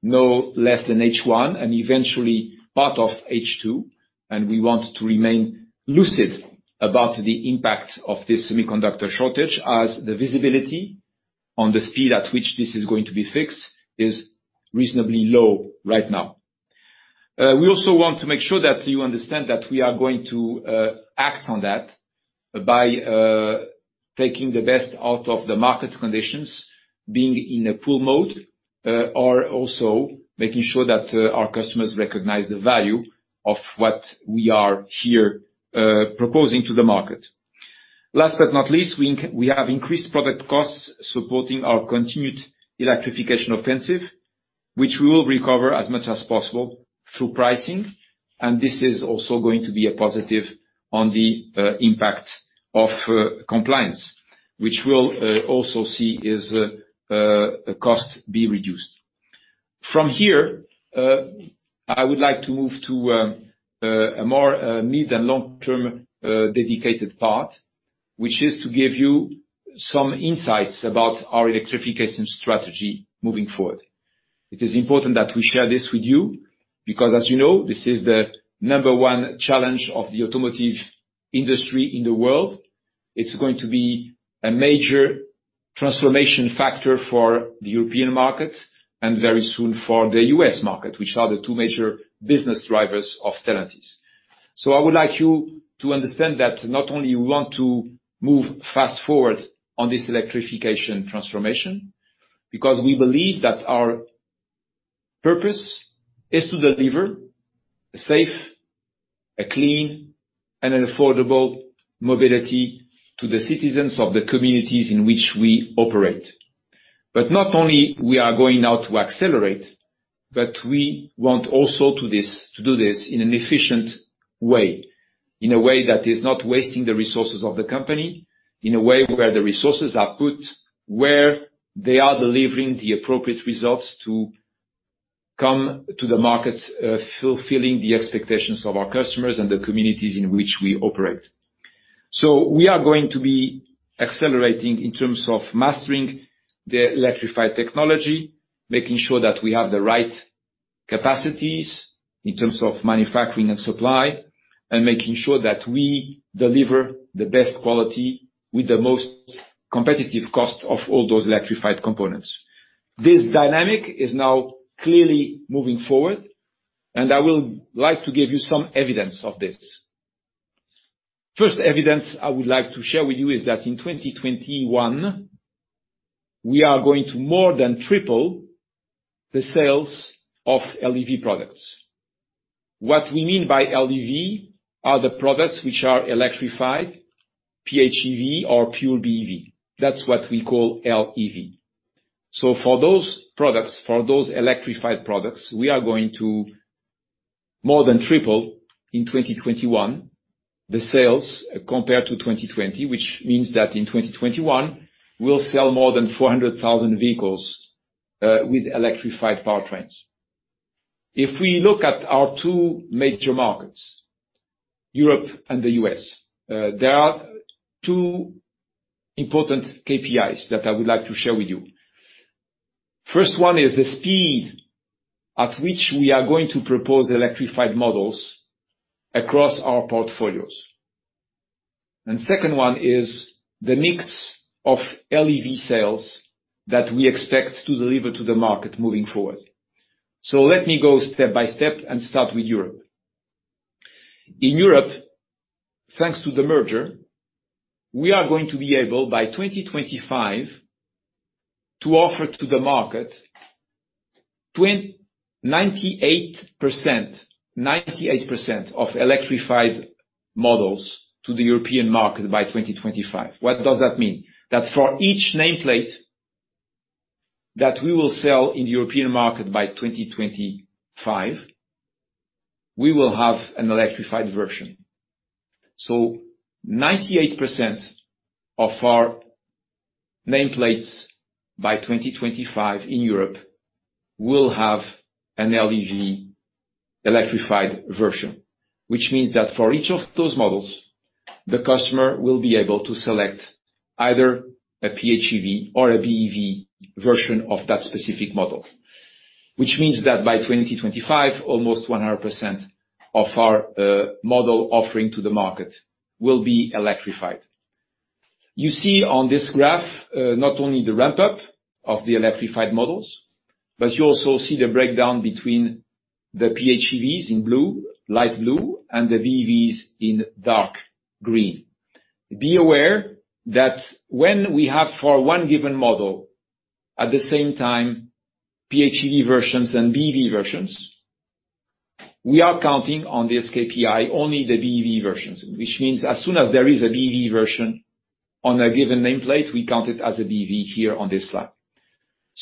no less than H1, and eventually, part of H2. We want to remain lucid about the impact of this semiconductor shortage, as the visibility on the speed at which this is going to be fixed is reasonably low right now. We also want to make sure that you understand that we are going to act on that by taking the best out of the market conditions, being in a pull mode, or also making sure that our customers recognize the value of what we are here proposing to the market. Last but not least, we have increased product costs supporting our continued electrification offensive, which we will recover as much as possible through pricing. This is also going to be a positive on the impact of compliance, which we'll also see cost be reduced. From here, I would like to move to a more mid- and long-term dedicated part, which is to give you some insights about our electrification strategy moving forward. It is important that we share this with you because, as you know, this is the number one challenge of the automotive industry in the world. It's going to be a major transformation factor for the European market. Very soon for the U.S. market, which are the two major business drivers of Stellantis. I would like you to understand that not only we want to move fast-forward on this electrification transformation, because we believe that our purpose is to deliver safe, a clean, and an affordable mobility to the citizens of the communities in which we operate. Not only we are going now to accelerate, but we want also to do this in an efficient way, in a way that is not wasting the resources of the company, in a way where the resources are put, where they are delivering the appropriate results to come to the markets, fulfilling the expectations of our customers and the communities in which we operate. We are going to be accelerating in terms of mastering the electrified technology, making sure that we have the right capacities in terms of manufacturing and supply, and making sure that we deliver the best quality with the most competitive cost of all those electrified components. This dynamic is now clearly moving forward, and I will like to give you some evidence of this. First evidence I would like to share with you is that in 2021, we are going to more than triple the sales of LEV products. What we mean by LEV are the products which are electrified, PHEV or pure BEV. That's what we call LEV. For those products, for those electrified products, we are going to more than triple in 2021 the sales compared to 2020, which means that in 2021, we'll sell more than 400,000 vehicles, with electrified powertrains. If we look at our two major markets, Europe and the U.S., there are two important KPIs that I would like to share with you. First one is the speed at which we are going to propose electrified models across our portfolios. Second one is the mix of LEV sales that we expect to deliver to the market moving forward. Let me go step by step and start with Europe. In Europe, thanks to the merger, we are going to be able, by 2025, to offer to the market 98%, 98% of electrified models to the European market by 2025. What does that mean? That for each nameplate that we will sell in the European market by 2025, we will have an electrified version. 98% of our nameplates by 2025 in Europe will have an LEV electrified version, which means that for each of those models, the customer will be able to select either a PHEV or a BEV version of that specific model. Which means that by 2025, almost 100% of our model offering to the market will be electrified. You see on this graph, not only the ramp-up of the electrified models, but you also see the breakdown between the PHEVs in blue, light blue, and the BEVs in dark green. Be aware that when we have, for one given model, at the same time, PHEV versions and BEV versions, we are counting on this KPI only the BEV versions, which means as soon as there is a BEV version on a given nameplate, we count it as a BEV here on this slide.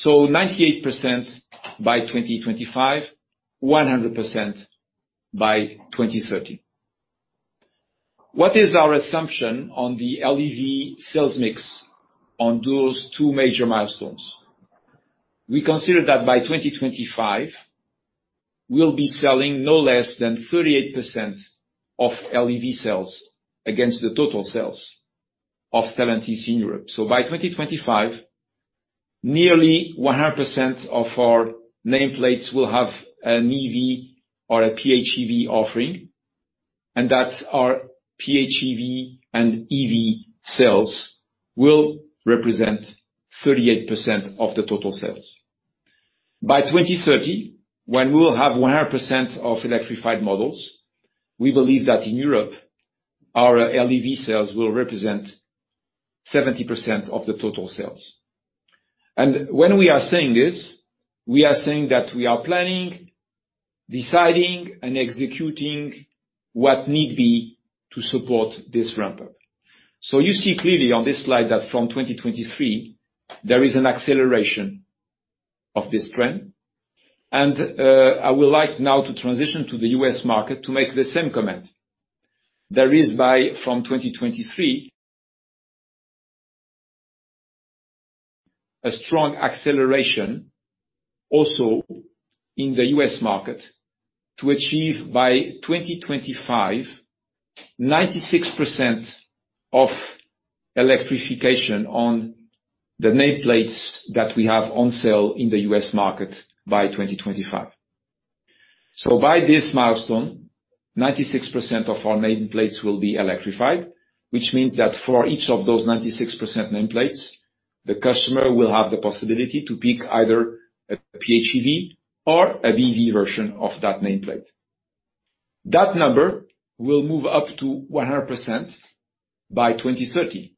98% by 2025, 100% by 2030. What is our assumption on the LEV sales mix on those two major milestones? We consider that by 2025, we'll be selling no less than 38% of LEV sales against the total sales of Stellantis in Europe. By 2025, nearly 100% of our nameplates will have an EV or a PHEV offering, and that's our PHEV and EV sales will represent 38% of the total sales. By 2030, when we will have 100% of electrified models, we believe that in Europe, our LEV sales will represent 70% of the total sales. When we are saying this, we are saying that we are planning, deciding, and executing what need be to support this ramp-up. You see clearly on this slide that from 2023, there is an acceleration of this trend. I would like now to transition to the U.S. market to make the same comment. There is from 2023, a strong acceleration also in the U.S. market to achieve by 2025, 96% electrification on the nameplates that we have on sale in the U.S. market by 2025. By this milestone, 96% of our nameplates will be electrified, which means that for each of those 96% nameplates, the customer will have the possibility to pick either a PHEV or a BEV version of that nameplate. That number will move up to 100% by 2030.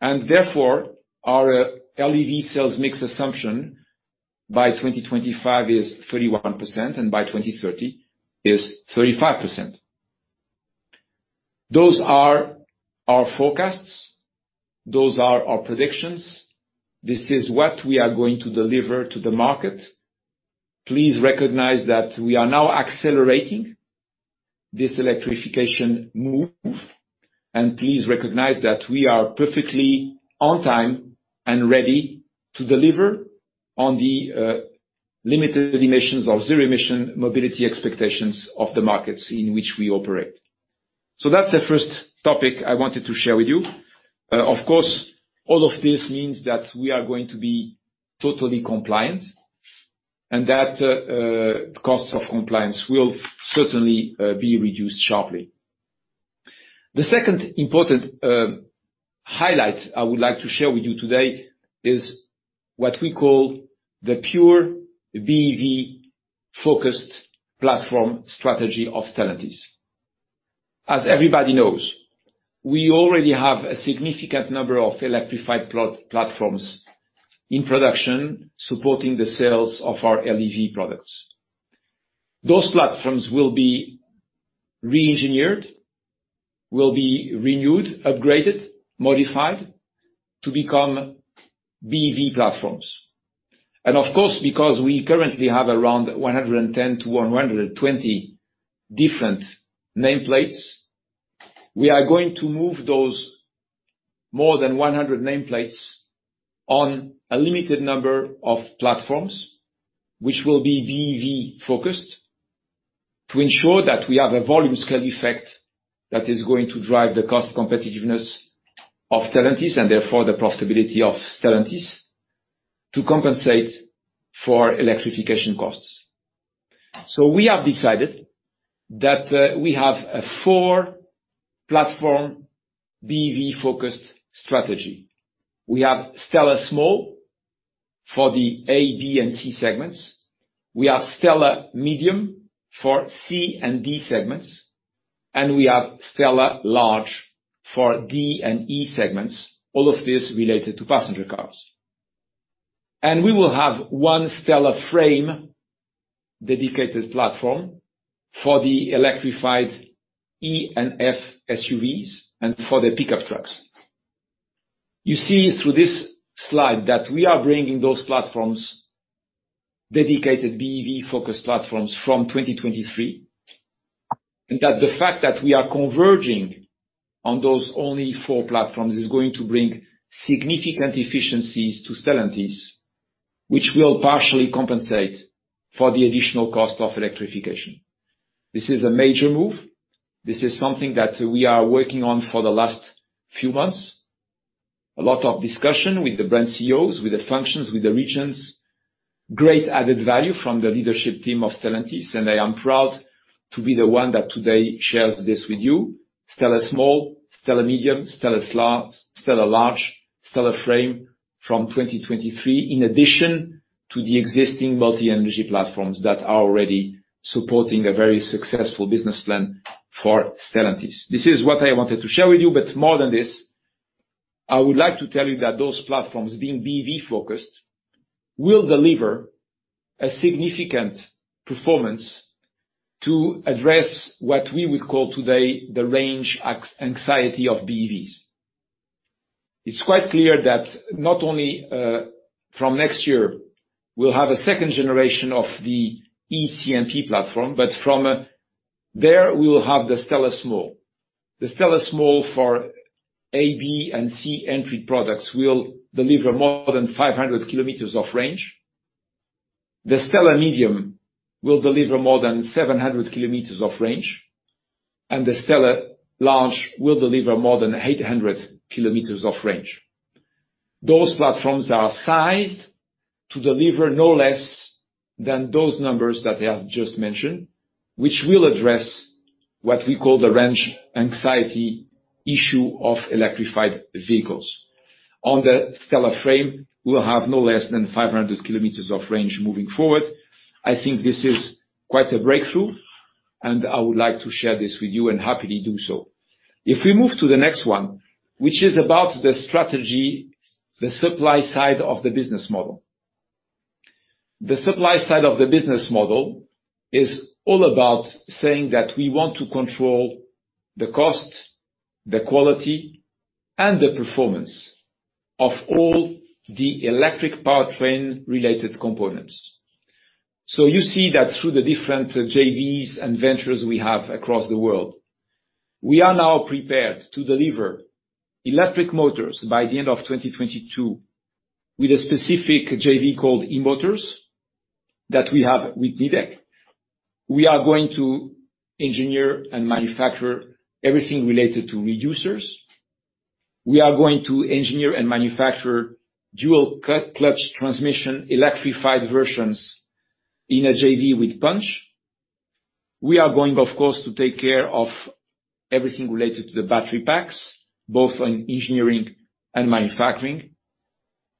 Therefore our LEV sales mix assumption by 2025 is 31%, and by 2030 is 35%. Those are our forecasts. Those are our predictions. This is what we are going to deliver to the market. Please recognize that we are now accelerating this electrification move. Please recognize that we are perfectly on time and ready to deliver on the limited emissions or zero-emission mobility expectations of the markets in which we operate. That's the first topic I wanted to share with you. Of course, all of this means that we are going to be totally compliant. That costs of compliance will certainly be reduced sharply. The second important highlight I would like to share with you today is what we call the pure BEV-focused platform strategy of Stellantis. As everybody knows, we already have a significant number of electrified platforms in production supporting the sales of our LEV products. Those platforms will be re-engineered, will be renewed, upgraded, modified to become BEV platforms. Of course, because we currently have around 110 to 120 different nameplates, we are going to move those more than 100 nameplates on a limited number of platforms, which will be BEV-focused, to ensure that we have a volume scale effect that is going to drive the cost competitiveness of Stellantis, and therefore the profitability of Stellantis, to compensate for electrification costs. We have decided that we have a 4-platform BEV-focused strategy. We have STLA Small for the A, B, and C segments. We have STLA Medium for C and D segments, and we have STLA Large for D and E segments, all of this related to passenger cars. We will have one STLA Frame dedicated platform for the electrified E and F SUVs and for the pickup trucks. You see through this slide that we are bringing those platforms, dedicated BEV-focused platforms, from 2023, that the fact that we are converging on those only four platforms is going to bring significant efficiencies to Stellantis, which will partially compensate for the additional cost of electrification. This is a major move. This is something that we are working on for the last few months. A lot of discussion with the brand CEOs, with the functions, with the regions. Great added value from the leadership team of Stellantis. I am proud to be the one that today shares this with you. STLA Small, STLA Medium, STLA Large, STLA Frame from 2023, in addition to the existing multi-energy platforms that are already supporting a very successful business plan for Stellantis. This is what I wanted to share with you, but more than this, I would like to tell you that those platforms, being BEV-focused, will deliver a significant performance to address what we would call today the range anxiety of BEVs. It's quite clear that not only from next year we'll have a second generation of the e-CMP platform, but from there we will have the STLA Small. The STLA Small for A, B, and C entry products will deliver more than 500 km of range. The STLA Medium will deliver more than 700 km of range, and the STLA Large will deliver more than 800 km of range. Those platforms are sized to deliver no less than those numbers that I have just mentioned, which will address what we call the range anxiety issue of electrified vehicles. On the STLA Frame, we'll have no less than 500 km of range moving forward. I think this is quite a breakthrough, and I would like to share this with you, and happily do so. If we move to the next one, which is about the strategy, the supply side of the business model. The supply side of the business model is all about saying that we want to control the cost, the quality, and the performance of all the electric powertrain related components. You see that through the different JVs and ventures we have across the world, we are now prepared to deliver electric motors by the end of 2022, with a specific JV called Emotors that we have with Nidec. We are going to engineer and manufacture everything related to reducers. We are going to engineer and manufacture dual clutch transmission, electrified versions in a JV with Punch. We are going, of course, to take care of everything related to the battery packs, both on engineering and manufacturing.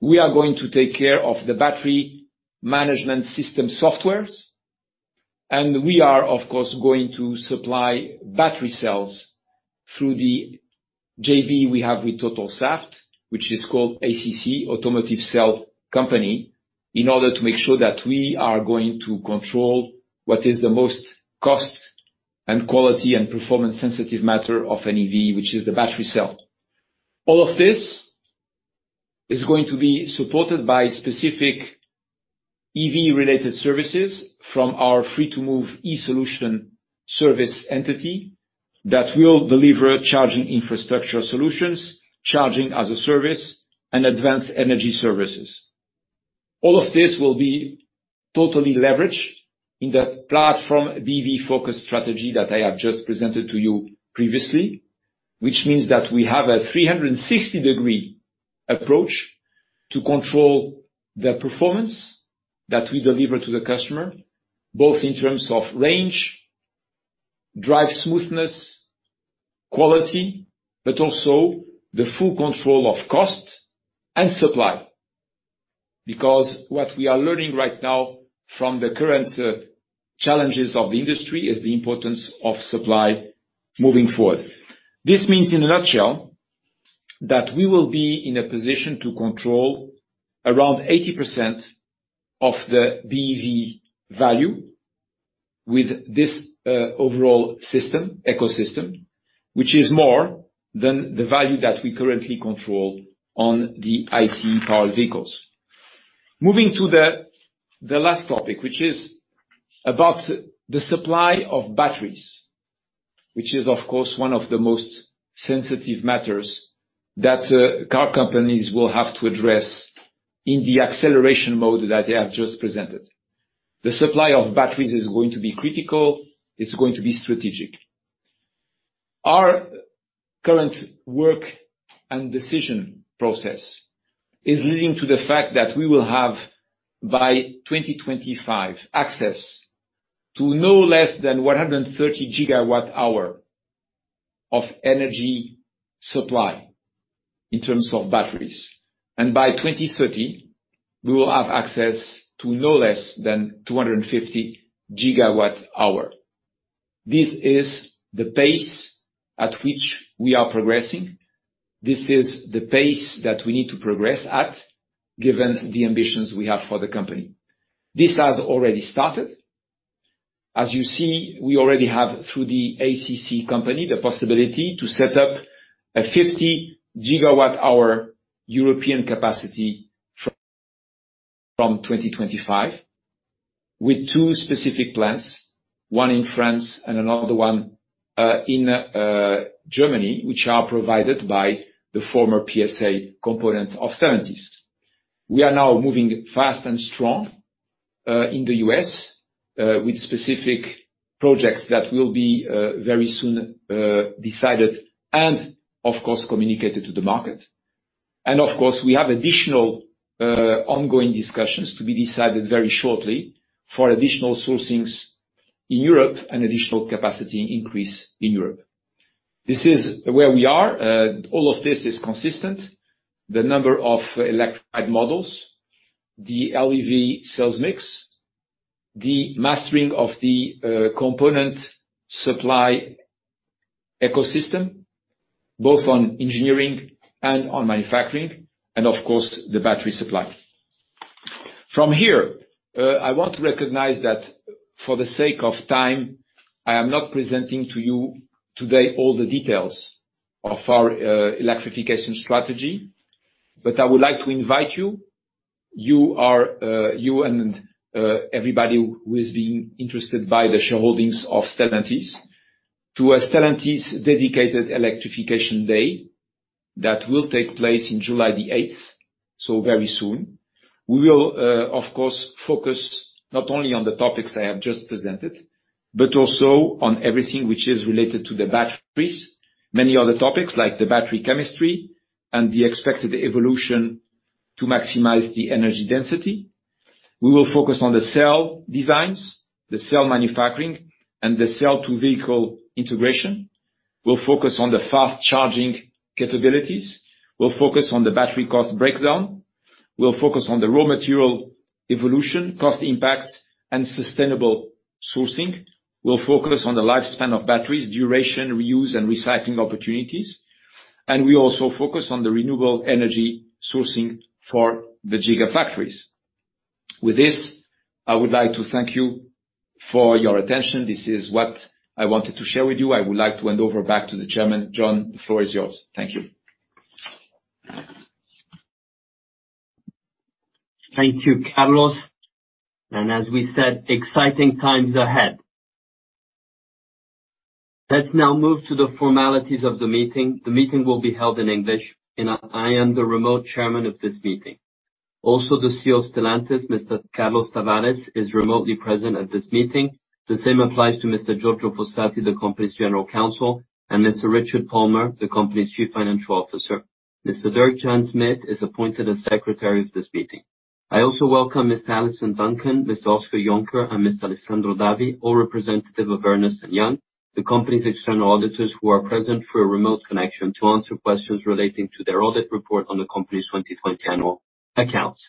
We are going to take care of the battery management system software. We are, of course, going to supply battery cells through the JV we have with Total Saft, which is called ACC, Automotive Cells Company, in order to make sure that we are going to control what is the most cost and quality and performance-sensitive matter of an EV, which is the battery cell. All of this is going to be supported by specific EV-related services from our Free2move eSolutions service entity that will deliver charging infrastructure solutions, charging as a service, and advanced energy services. All of this will be totally leveraged in the platform BEV focus strategy that I have just presented to you previously, which means that we have a 360-degree approach to control the performance that we deliver to the customer, both in terms of range, drive smoothness, quality, but also the full control of cost and supply. Because what we are learning right now from the current challenges of the industry is the importance of supply moving forward. This means, in a nutshell, that we will be in a position to control around 80% of the BEV value with this overall ecosystem, which is more than the value that we currently control on the ICE powered vehicles. Moving to the last topic, which is about the supply of batteries. Which is, of course, one of the most sensitive matters that car companies will have to address in the acceleration mode that I have just presented. The supply of batteries is going to be critical, it's going to be strategic. Our current work and decision process is leading to the fact that we will have, by 2025, access to no less than 130 GWh of energy supply in terms of batteries. By 2030, we will have access to no less than 250 GWh. This is the pace at which we are progressing. This is the pace that we need to progress at, given the ambitions we have for the company. This has already started. As you see, we already have, through the ACC company, the possibility to set up a 50 GWh European capacity from 2025 with two specific plants, one in France and another one in Germany, which are provided by the former PSA component of Stellantis. We are now moving fast and strong, in the U.S., with specific projects that will be very soon decided and, of course, communicated to the market. Of course, we have additional ongoing discussions to be decided very shortly for additional sourcing in Europe and additional capacity increase in Europe. This is where we are. All of this is consistent. The number of electrified models, the LEV sales mix, the mastering of the component supply ecosystem, both on engineering and on manufacturing, of course, the battery supply. From here, I want to recognize that for the sake of time, I am not presenting to you today all the details of our electrification strategy. I would like to invite you and everybody who is being interested by the shareholdings of Stellantis, to a Stellantis dedicated Electrification Day that will take place in July 8th, so very soon. We will, of course, focus not only on the topics I have just presented, but also on everything which is related to the batteries. Many other topics, like the battery chemistry and the expected evolution to maximize the energy density. We will focus on the cell designs, the cell manufacturing, and the cell-to-vehicle integration. We will focus on the fast-charging capabilities. We'll focus on the battery cost breakdown. We'll focus on the raw material evolution, cost impact, and sustainable sourcing. We'll focus on the lifespan of batteries, duration, reuse, and recycling opportunities. We also focus on the renewable energy sourcing for the gigafactories. With this, I would like to thank you for your attention. This is what I wanted to share with you. I would like to hand over back to the chairman. John, the floor is yours. Thank you. Thank you, Carlos. As we said, exciting times ahead. Let's now move to the formalities of the meeting. The meeting will be held in English, and I am the remote chairman of this meeting. Also, the CEO of Stellantis, Mr. Carlos Tavares, is remotely present at this meeting. The same applies to Mr. Giorgio Fossati, the company's General Counsel, and Mr. Richard Palmer, the company's Chief Financial Officer. Mr. Dirk-Jan Smit is appointed as Secretary of this meeting. I also welcome Ms. Alison Duncan, Mr. Oscar Jonker, and Mr. Alessandro Davi, all representative of Ernst & Young, the company's external auditors who are present for a remote connection to answer questions relating to their audit report on the company's 2020 annual accounts.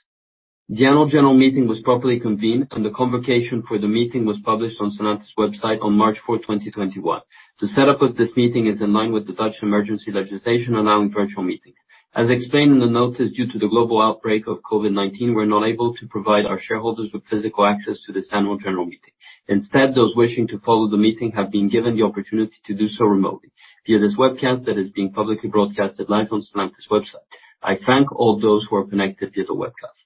The annual general meeting was properly convened, and the convocation for the meeting was published on Stellantis website on March 4th, 2021. The setup of this meeting is in line with the Dutch emergency legislation allowing virtual meetings. As explained in the notice, due to the global outbreak of COVID-19, we're not able to provide our shareholders with physical access to this annual general meeting. Instead, those wishing to follow the meeting have been given the opportunity to do so remotely via this webcast that is being publicly broadcasted live on stellantis website. I thank all those who are connected via the webcast.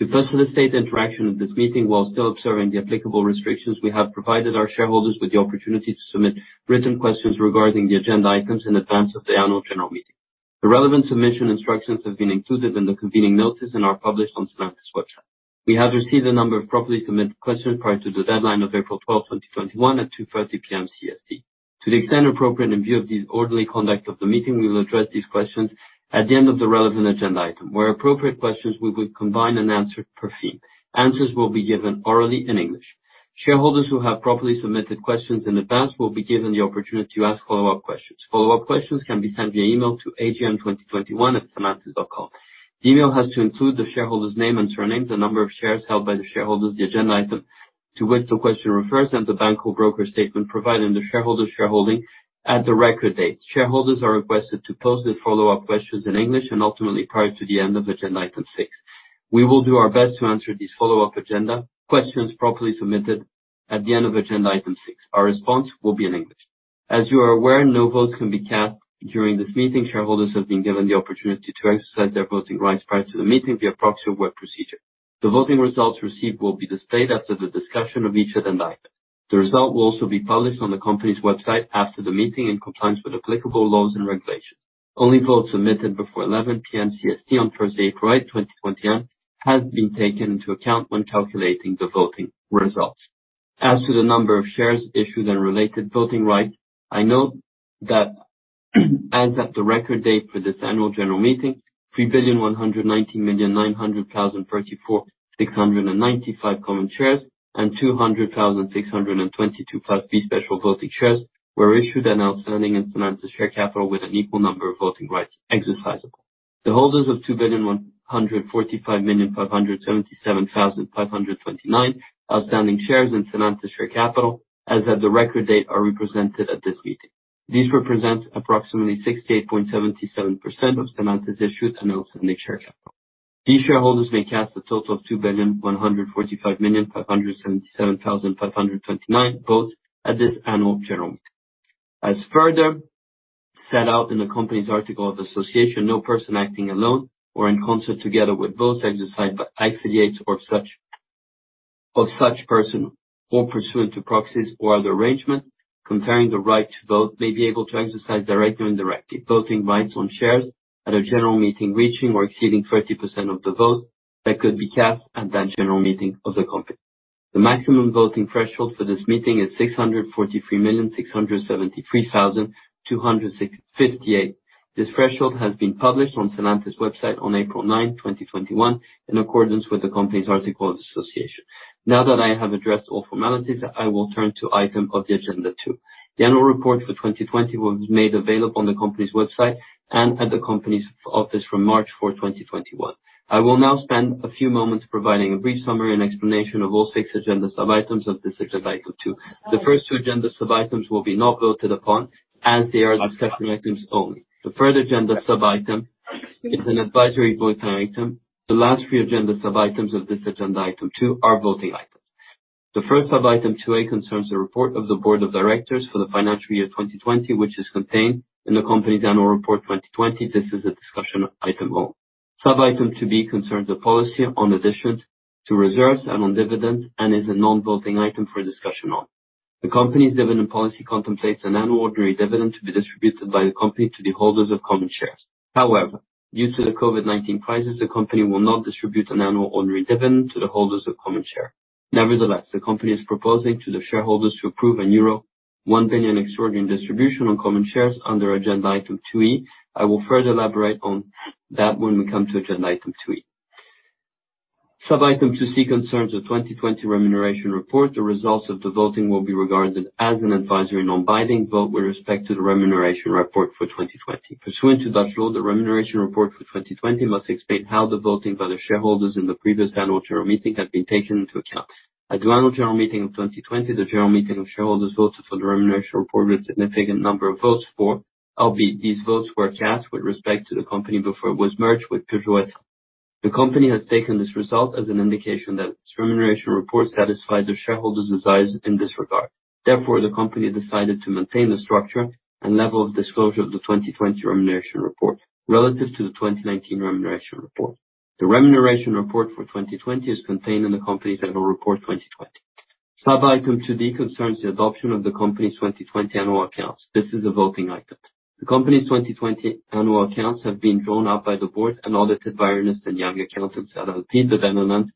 To facilitate interaction of this meeting while still observing the applicable restrictions, we have provided our shareholders with the opportunity to submit written questions regarding the agenda items in advance of the annual general meeting. The relevant submission instructions have been included in the convening notice and are published on stellantis website. We have received a number of properly submitted questions prior to the deadline of April 12, 2021, at 2:30 P.M. CEST. To the extent appropriate, in view of the orderly conduct of the meeting, we will address these questions at the end of the relevant agenda item. Where appropriate questions, we will combine and answer per theme. Answers will be given orally in English. Shareholders who have properly submitted questions in advance will be given the opportunity to ask follow-up questions. Follow-up questions can be sent via email to agm2021@stellantis.com. The email has to include the shareholder's name and surname, the number of shares held by the shareholders, the agenda item to which the question refers, and the bank or broker statement providing the shareholder's shareholding at the record date. Shareholders are requested to pose their follow-up questions in English, and ultimately, prior to the end of agenda item six. We will do our best to answer these follow-up agenda questions properly submitted at the end of agenda item six. Our response will be in English. As you are aware, no votes can be cast during this meeting. Shareholders have been given the opportunity to exercise their voting rights prior to the meeting via proxy or web procedure. The voting results received will be displayed after the discussion of each agenda item. The result will also be published on the company's website after the meeting in compliance with applicable laws and regulations. Only votes submitted before 11:00 P.M. CEST on Thursday, April 8th, 2021, have been taken into account when calculating the voting results. As to the number of shares issued and related voting rights, I note that as at the record date for this annual general meeting, 3,119,900,034 common shares and 200,622 Class B special voting shares were issued and outstanding in Stellantis share capital with an equal number of voting rights exercisable. The holders of 2,145,577,529 outstanding shares in Stellantis share capital as at the record date are represented at this meeting. This represents approximately 68.77% of Stellantis issued and outstanding share capital. These shareholders may cast a total of 2,145,577,529 votes at this annual general meeting. As further set out in the company's Articles of Association, no person acting alone or in concert, together with votes exercised by affiliates of such person or pursuant to proxies or other arrangement conferring the right to vote may be able to exercise directly or indirectly, voting rights on shares at a general meeting reaching or exceeding 30% of the votes that could be cast at that general meeting of the company. The maximum voting threshold for this meeting is 643,673,258. This threshold has been published on Stellantis website on April 9th, 2021, in accordance with the company's Articles of Association. Now that I have addressed all formalities, I will turn to item of the agenda two. The annual report for 2020 was made available on the company's website and at the company's office from March 4th, 2021. I will now spend a few moments providing a brief summary and explanation of all six agenda sub-items of this agenda item two. The first two agenda sub-items will be not voted upon as they are discussion items only. The third agenda sub-item is an advisory voting item. The last three agenda sub-items of this agenda item two are voting items. The first sub-item, 2A, concerns the report of the board of directors for the financial year 2020, which is contained in the company's annual report 2020. This is a discussion item only. Sub-item 2B concerns the policy on additions to reserves and on dividends and is a non-voting item for discussion only. The company's dividend policy contemplates an annual ordinary dividend to be distributed by the company to the holders of common shares. However, due to the COVID-19 crisis, the company will not distribute an annual ordinary dividend to the holders of common share. Nevertheless, the company is proposing to the shareholders to approve an euro 1 billion extraordinary distribution on common shares under agenda item 2E. I will further elaborate on that when we come to agenda item 2E. Sub-item 2C concerns the 2020 remuneration report. The results of the voting will be regarded as an advisory non-binding vote with respect to the remuneration report for 2020. Pursuant to Dutch law, the remuneration report for 2020 must explain how the voting by the shareholders in the previous annual general meeting had been taken into account. At the annual general meeting of 2020, the general meeting of shareholders voted for the remuneration report with a significant number of votes for, albeit these votes were cast with respect to the company before it was merged with Peugeot S.A. The company has taken this result as an indication that its remuneration report satisfied the shareholders' desires in this regard. Therefore, the company decided to maintain the structure and level of disclosure of the 2020 remuneration report relative to the 2019 remuneration report. The remuneration report for 2020 is contained in the company's annual report 2020. Sub-item 2D concerns the adoption of the company's 2020 annual accounts. This is a voting item. The company's 2020 annual accounts have been drawn up by the board and audited by Ernst & Young Accountants LLP, the Netherlands,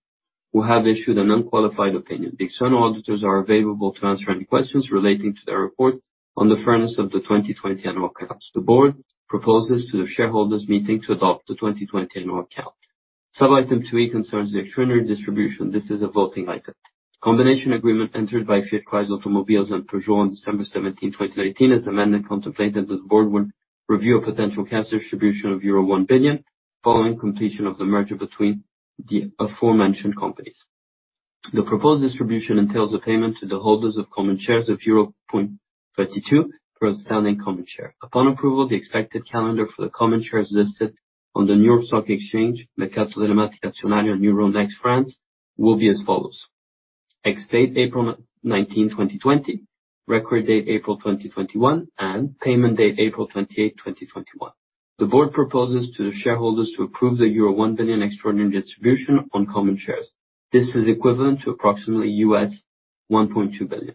who have issued an unqualified opinion. The external auditors are available to answer any questions relating to their report on the fairness of the 2020 annual accounts. The board proposes to the shareholders meeting to adopt the 2020 annual account. Sub-item 2E concerns the extraordinary distribution. This is a voting item. Combination agreement entered by Fiat Chrysler Automobiles and Peugeot on December 17th, 2019, as amended, contemplated that the board would review a potential cash distribution of euro 1 billion following completion of the merger between the aforementioned companies. The proposed distribution entails a payment to the holders of common shares of 0.32 euro per outstanding common share. Upon approval, the expected calendar for the common shares listed on the New York Stock Exchange, Mercato Telematico Azionario, Euronext Paris, will be as follows. Ex-date, April 19, 2020, record date, April 2021, and payment date, April 28, 2021. The board proposes to the shareholders to approve the euro 1 billion extraordinary distribution on common shares. This is equivalent to approximately $1.2 billion.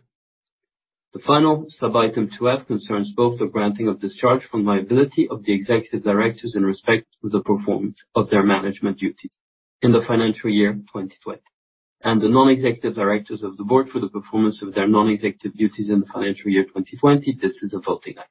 The final sub-item, 2F, concerns both the granting of discharge from liability of the executive directors in respect to the performance of their management duties in the financial year 2020. The non-executive directors of the board for the performance of their non-executive duties in the financial year 2020. This is a voting item.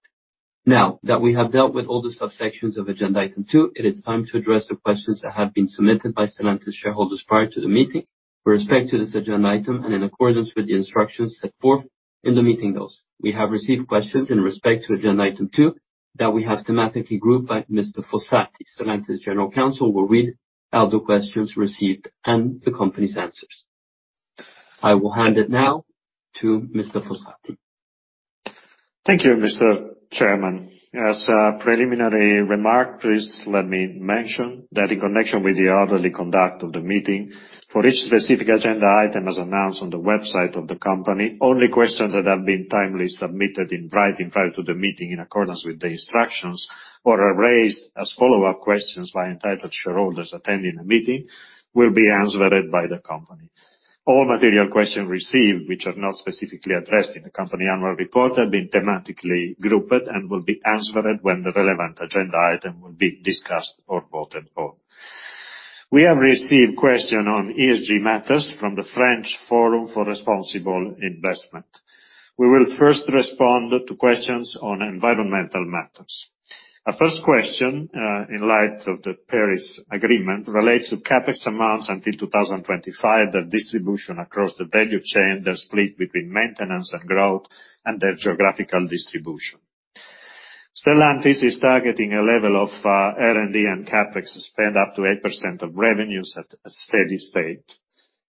Now that we have dealt with all the subsections of agenda item two, it is time to address the questions that have been submitted by Stellantis shareholders prior to the meeting with respect to this agenda item and in accordance with the instructions set forth in the meeting notes. We have received questions in respect to agenda item two that we have thematically grouped by Mr. Fossati. Stellantis General Counsel will read out the questions received and the company's answers. I will hand it now to Mr. Fossati. Thank you, Mr. Chairman. As a preliminary remark, please let me mention that in connection with the orderly conduct of the meeting, for each specific agenda item, as announced on the website of the company, only questions that have been timely submitted in writing prior to the meeting in accordance with the instructions or are raised as follow-up questions by entitled shareholders attending the meeting will be answered by the company. All material questions received, which are not specifically addressed in the company annual report, have been thematically grouped and will be answered when the relevant agenda item will be discussed or voted on. We have received question on ESG matters from the French Forum for Responsible Investment. We will first respond to questions on environmental matters. Our first question, in light of the Paris Agreement, relates to CapEx amounts until 2025, their distribution across the value chain, their split between maintenance and growth, and their geographical distribution. Stellantis is targeting a level of R&D and CapEx spend up to 8% of revenues at a steady state.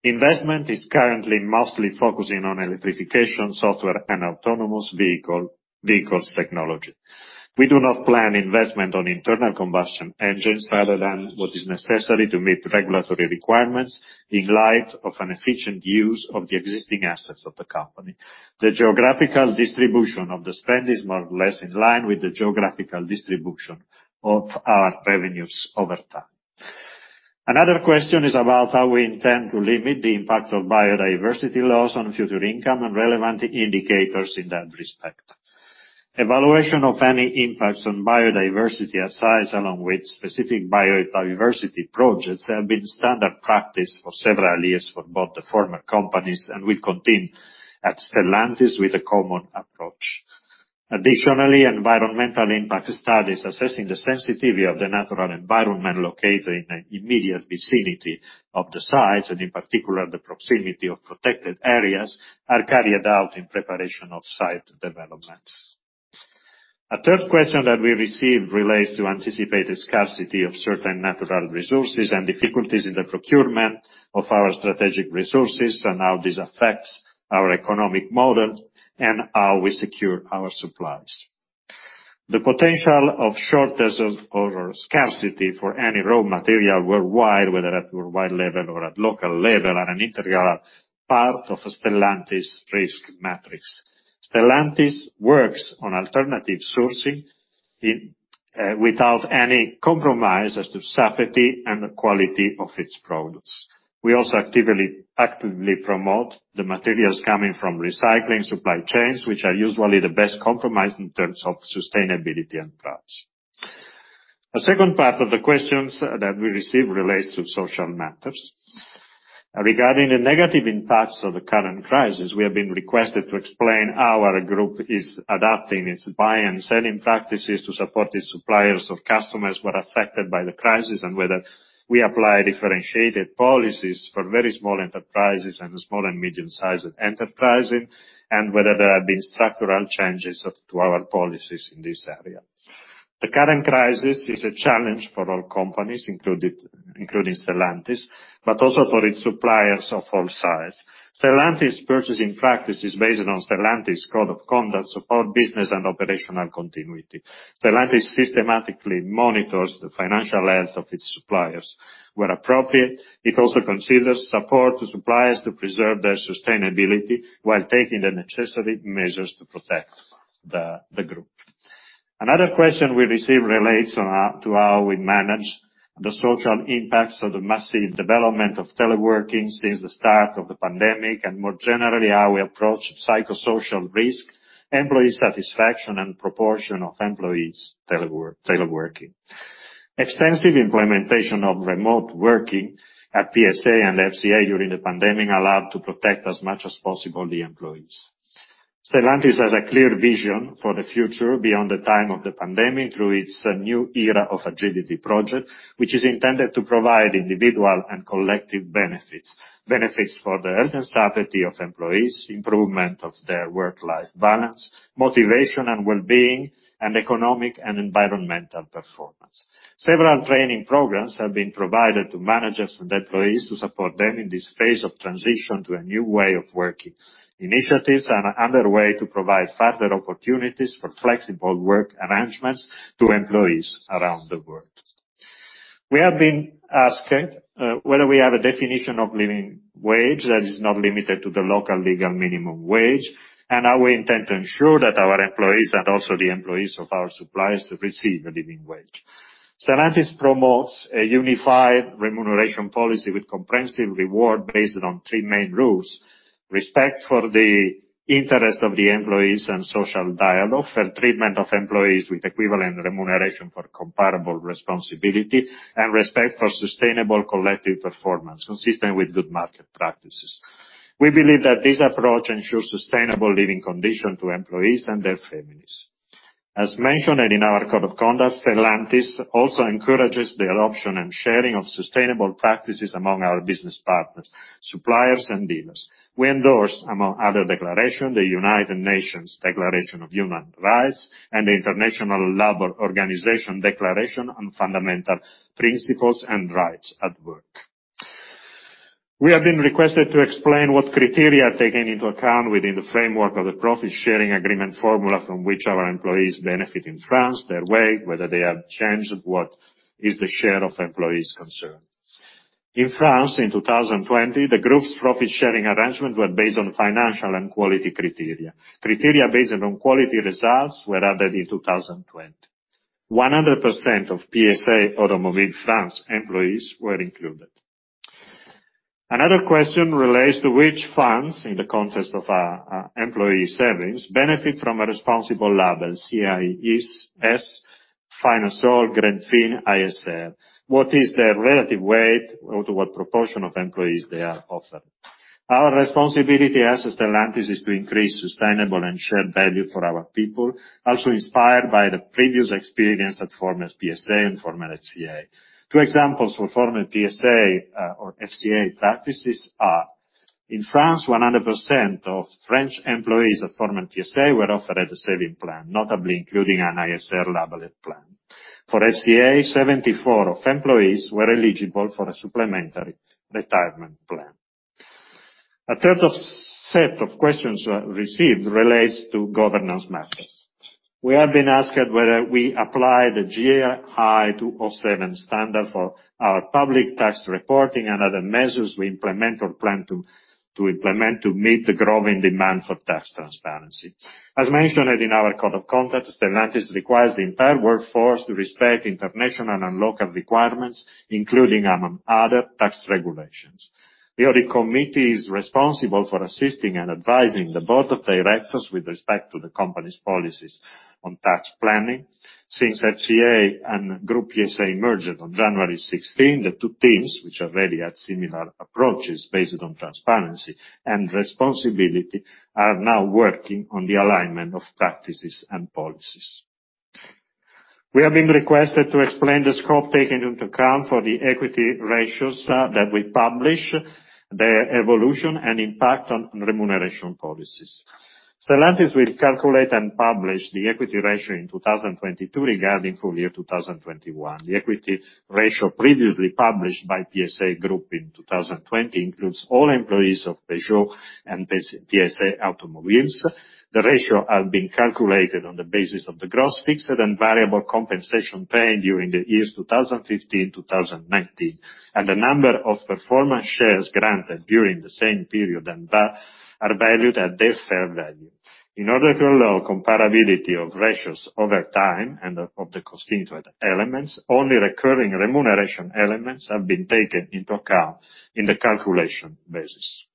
Investment is currently mostly focusing on electrification, software, and autonomous vehicles technology. We do not plan investment on internal combustion engines other than what is necessary to meet regulatory requirements in light of an efficient use of the existing assets of the company. The geographical distribution of the spend is more or less in line with the geographical distribution of our revenues over time. Another question is about how we intend to limit the impact of biodiversity loss on future income and relevant indicators in that respect. Evaluation of any impacts on biodiversity at sites along with specific biodiversity projects have been standard practice for several years for both the former companies and will continue at Stellantis with a common approach. Environmental impact studies assessing the sensitivity of the natural environment located in the immediate vicinity of the sites, and in particular the proximity of protected areas, are carried out in preparation of site developments. A third question that we received relates to anticipated scarcity of certain natural resources and difficulties in the procurement of our strategic resources and how this affects our economic model, and how we secure our supplies. The potential of shortages or scarcity for any raw material worldwide, whether at worldwide level or at local level, are an integral part of Stellantis risk matrix. Stellantis works on alternative sourcing without any compromise as to safety and the quality of its products. We also actively promote the materials coming from recycling supply chains, which are usually the best compromise in terms of sustainability and price. A second part of the questions that we receive relates to social matters. Regarding the negative impacts of the current crisis, we have been requested to explain how our group is adapting its buying and selling practices to support the suppliers or customers who are affected by the crisis, and whether we apply differentiated policies for very small enterprises and small and medium-sized enterprises, and whether there have been structural changes to our policies in this area. The current crisis is a challenge for all companies, including Stellantis, but also for its suppliers of all size. Stellantis purchasing practice is based on Stellantis code of conduct, support business, and operational continuity. Stellantis systematically monitors the financial health of its suppliers. Where appropriate, it also considers support to suppliers to preserve their sustainability while taking the necessary measures to protect the group. Another question we receive relates to how we manage the social impacts of the massive development of teleworking since the start of the pandemic, and more generally, how we approach psychosocial risk, employee satisfaction, and proportion of employees teleworking. Extensive implementation of remote working at PSA and FCA during the pandemic allowed to protect, as much as possible, the employees. Stellantis has a clear vision for the future beyond the time of the pandemic through its New Era of Agility project, which is intended to provide individual and collective benefits. Benefits for the health and safety of employees, improvement of their work-life balance, motivation and wellbeing, and economic and environmental performance. Several training programs have been provided to managers and employees to support them in this phase of transition to a new way of working. Initiatives are underway to provide further opportunities for flexible work arrangements to employees around the world. We have been asked whether we have a definition of living wage that is not limited to the local legal minimum wage, and how we intend to ensure that our employees, and also the employees of our suppliers, receive a living wage. Stellantis promotes a unified remuneration policy with comprehensive reward based on three main rules. Respect for the interest of the employees and social dialogue, fair treatment of employees with equivalent remuneration for comparable responsibility, and respect for sustainable collective performance consistent with good market practices. We believe that this approach ensures sustainable living condition to employees and their families. As mentioned in our code of conduct, Stellantis also encourages the adoption and sharing of sustainable practices among our business partners, suppliers, and dealers. We endorse, among other declaration, the Universal Declaration of Human Rights and the International Labour Organization declaration on fundamental principles and rights at work. We have been requested to explain what criteria are taken into account within the framework of the profit-sharing agreement formula from which our employees benefit in France, their weight, whether they have changed, what is the share of employees concerned. In France in 2020, the group's profit-sharing arrangement were based on financial and quality criteria. Criteria based on quality results were added in 2020. 100% of PSA Automobile France employees were included. Another question relates to which funds in the context of our employee savings benefit from a responsible label, CIES, Finansol, Greenfin, ISR. What is their relative weight or to what proportion of employees they are offered? Our responsibility as Stellantis is to increase sustainable and shared value for our people, also inspired by the previous experience at former PSA and former FCA. Two examples for former PSA or FCA practices are, in France, 100% of French employees of former PSA were offered a saving plan, notably including an ISR-labeled plan. For FCA, 74% of employees were eligible for a supplementary retirement plan. A third set of questions received relates to governance matters. We have been asked whether we apply the GRI 207 standard for our public tax reporting and other measures we implement or plan to implement to meet the growing demand for tax transparency. As mentioned in our code of conduct, Stellantis requires the entire workforce to respect international and local requirements, including, among others, tax regulations. The Audit Committee is responsible for assisting and advising the Board of Directors with respect to the company's policies on tax planning. Since FCA and PSA Group merged on January 16, the two teams, which already had similar approaches based on transparency and responsibility, are now working on the alignment of practices and policies. We are being requested to explain the scope taken into account for the equity ratios that we publish, their evolution, and impact on remuneration policies. Stellantis will calculate and publish the equity ratio in 2022 regarding full year 2021. The equity ratio previously published by PSA Group in 2020 includes all employees of Peugeot and PSA Automobiles. The ratio has been calculated on the basis of the gross fixed and variable compensation paid during the years 2015, 2019, and the number of performance shares granted during the same period and are valued at their fair value. In order to allow comparability of ratios over time and of the constituent elements, only recurring remuneration elements have been taken into account in the calculation basis.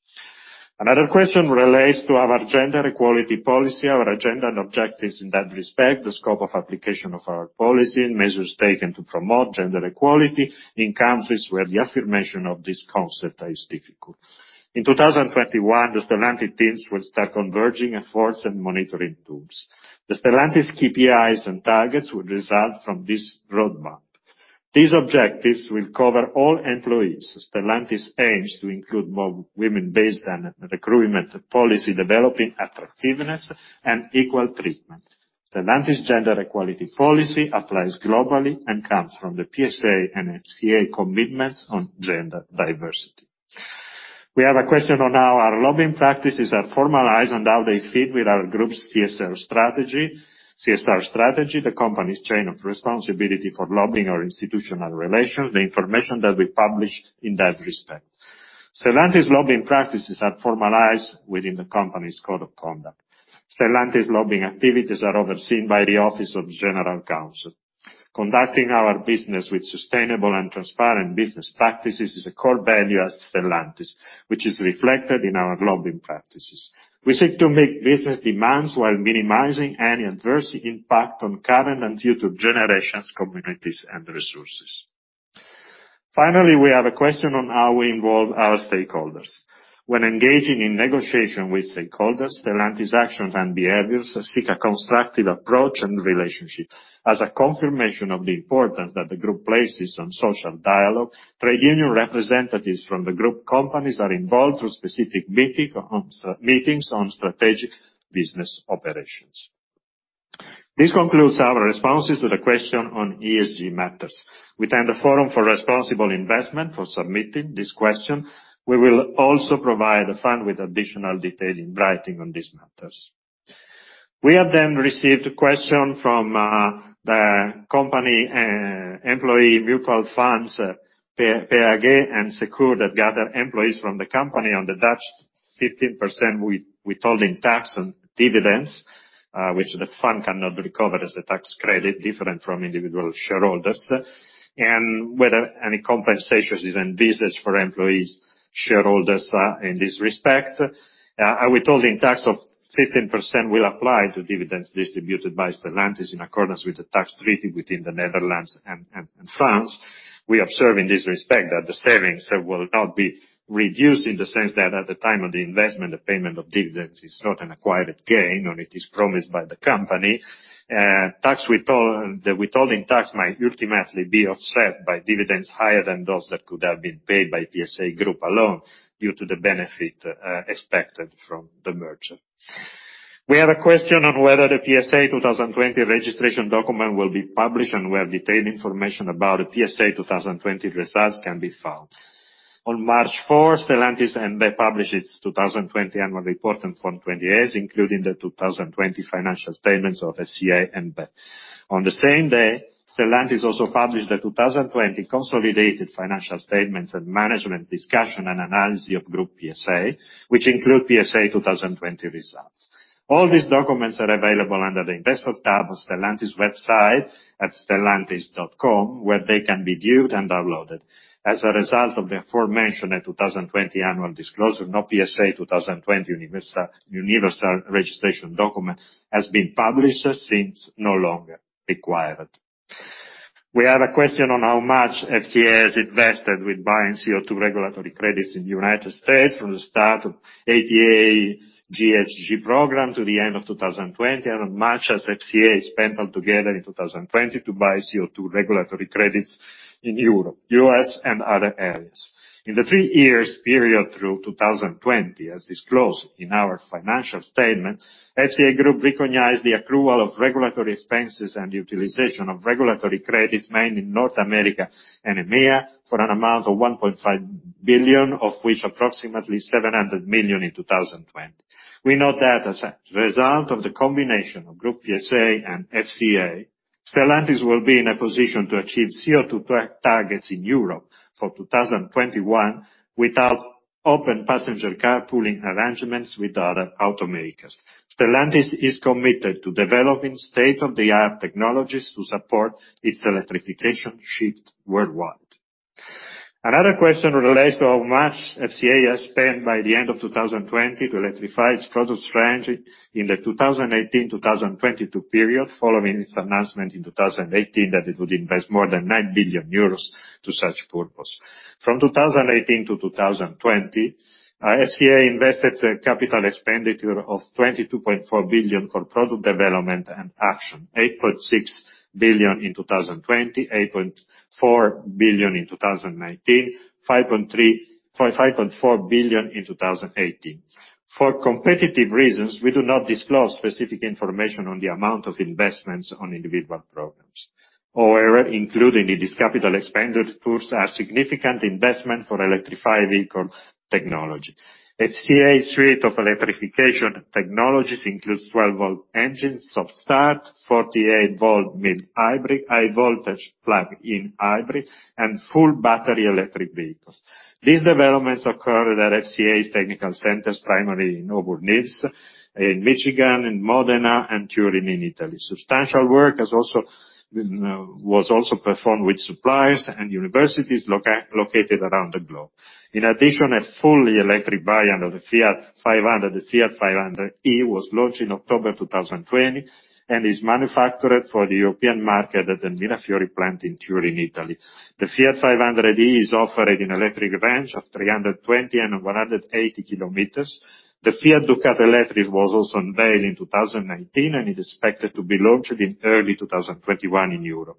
Another question relates to our gender equality policy, our agenda, and objectives in that respect, the scope of application of our policy, and measures taken to promote gender equality in countries where the affirmation of this concept is difficult. In 2021, the Stellantis teams will start converging efforts and monitoring tools. The Stellantis KPIs and targets will result from this roadmap. These objectives will cover all employees. Stellantis aims to include more women based on recruitment policy, developing attractiveness and equal treatment. Stellantis gender equality policy applies globally and comes from the PSA and FCA commitments on gender diversity. We have a question on how our lobbying practices are formalized and how they fit with our group's CSR strategy, the company's chain of responsibility for lobbying our institutional relations, the information that we published in that respect. Stellantis lobbying practices are formalized within the company's code of conduct. Stellantis lobbying activities are overseen by the Office of General Counsel. Conducting our business with sustainable and transparent business practices is a core value at Stellantis, which is reflected in our lobbying practices. We seek to make business demands while minimizing any adverse impact on current and future generations, communities, and resources. We have a question on how we involve our stakeholders. When engaging in negotiation with stakeholders, Stellantis actions and behaviors seek a constructive approach and relationship. As a confirmation of the importance that the group places on social dialogue, trade union representatives from the group companies are involved through specific meetings on strategic business operations. This concludes our responses to the question on ESG matters. We thank the Forum for Responsible Investment for submitting this question. We will also provide the Forum with additional detail in writing on these matters. We have received a question from the company employee mutual funds, PAYG and SECUR, that gather employees from the company on the Dutch 15% withholding tax on dividends, which the fund cannot recover as a tax credit different from individual shareholders, and whether any compensations is envisaged for employees, shareholders in this respect. A withholding tax of 15% will apply to dividends distributed by Stellantis in accordance with the tax treaty within the Netherlands and France. We observe in this respect that the savings will not be reduced in the sense that at the time of the investment, the payment of dividends is not an acquired gain, or it is promised by the company. Withholding tax might ultimately be offset by dividends higher than those that could have been paid by PSA Group alone due to the benefit expected from the merger. We have a question on whether the PSA 2020 registration document will be published, and where detailed information about the PSA 2020 results can be found. On March 4, Stellantis and Peugeot published its 2020 annual report and Form 20-As, including the 2020 financial statements of FCA. On the same day, Stellantis also published the 2020 consolidated financial statements and management discussion and analysis of Groupe PSA, which include PSA 2020 results. All these documents are available under the Investor tab on Stellantis website at stellantis.com, where they can be viewed and downloaded. As a result of the aforementioned 2020 annual disclosure, no PSA 2020 universal registration document has been published since no longer required. We have a question on how much FCA has invested with buying CO2 regulatory credits in the U.S. from the start of EPA GHG program to the end of 2020, and how much has FCA spent altogether in 2020 to buy CO2 regulatory credits in Europe, U.S., and other areas. In the three years period through 2020, as disclosed in our financial statement, FCA group recognized the accrual of regulatory expenses and utilization of regulatory credits made in North America and EMEA for an amount of 1.5 billion, of which approximately 700 million in 2020. We note that as a result of the combination of Groupe PSA and FCA, Stellantis will be in a position to achieve CO2 targets in Europe for 2021 without open passenger carpooling arrangements with other automakers. Stellantis is committed to developing state-of-the-art technologies to support its electrification shift worldwide. Another question relates to how much FCA has spent by the end of 2020 to electrify its product range in the 2018-2022 period, following its announcement in 2018 that it would invest more than 9 billion euros to such purpose. From 2018 to 2020, FCA invested capital expenditure of 22.4 billion for product development and action, 8.6 billion in 2020, 8.4 billion in 2019, 5.4 billion in 2018. For competitive reasons, we do not disclose specific information on the amount of investments on individual programs. However, included in this capital expenditure pools are significant investment for electrified vehicle technology. FCA suite of electrification technologies includes 12-volt engines, stop-start, 48-volt mild-hybrid, high voltage plug-in hybrid, and full battery electric vehicles. These developments occur at our FCA technical centers, primary in Auburn Hills, in Michigan, in Modena and Turin in Italy. Substantial work was also performed with suppliers and universities located around the globe. In addition, a fully electric variant of the Fiat 500, the Fiat 500e, was launched in October 2020 and is manufactured for the European market at the Mirafiori plant in Turin, Italy. The Fiat 500e is offered an electric range of 320 km and 180 km. The Fiat Ducato electric was also unveiled in 2019. It is expected to be launched in early 2021 in Europe.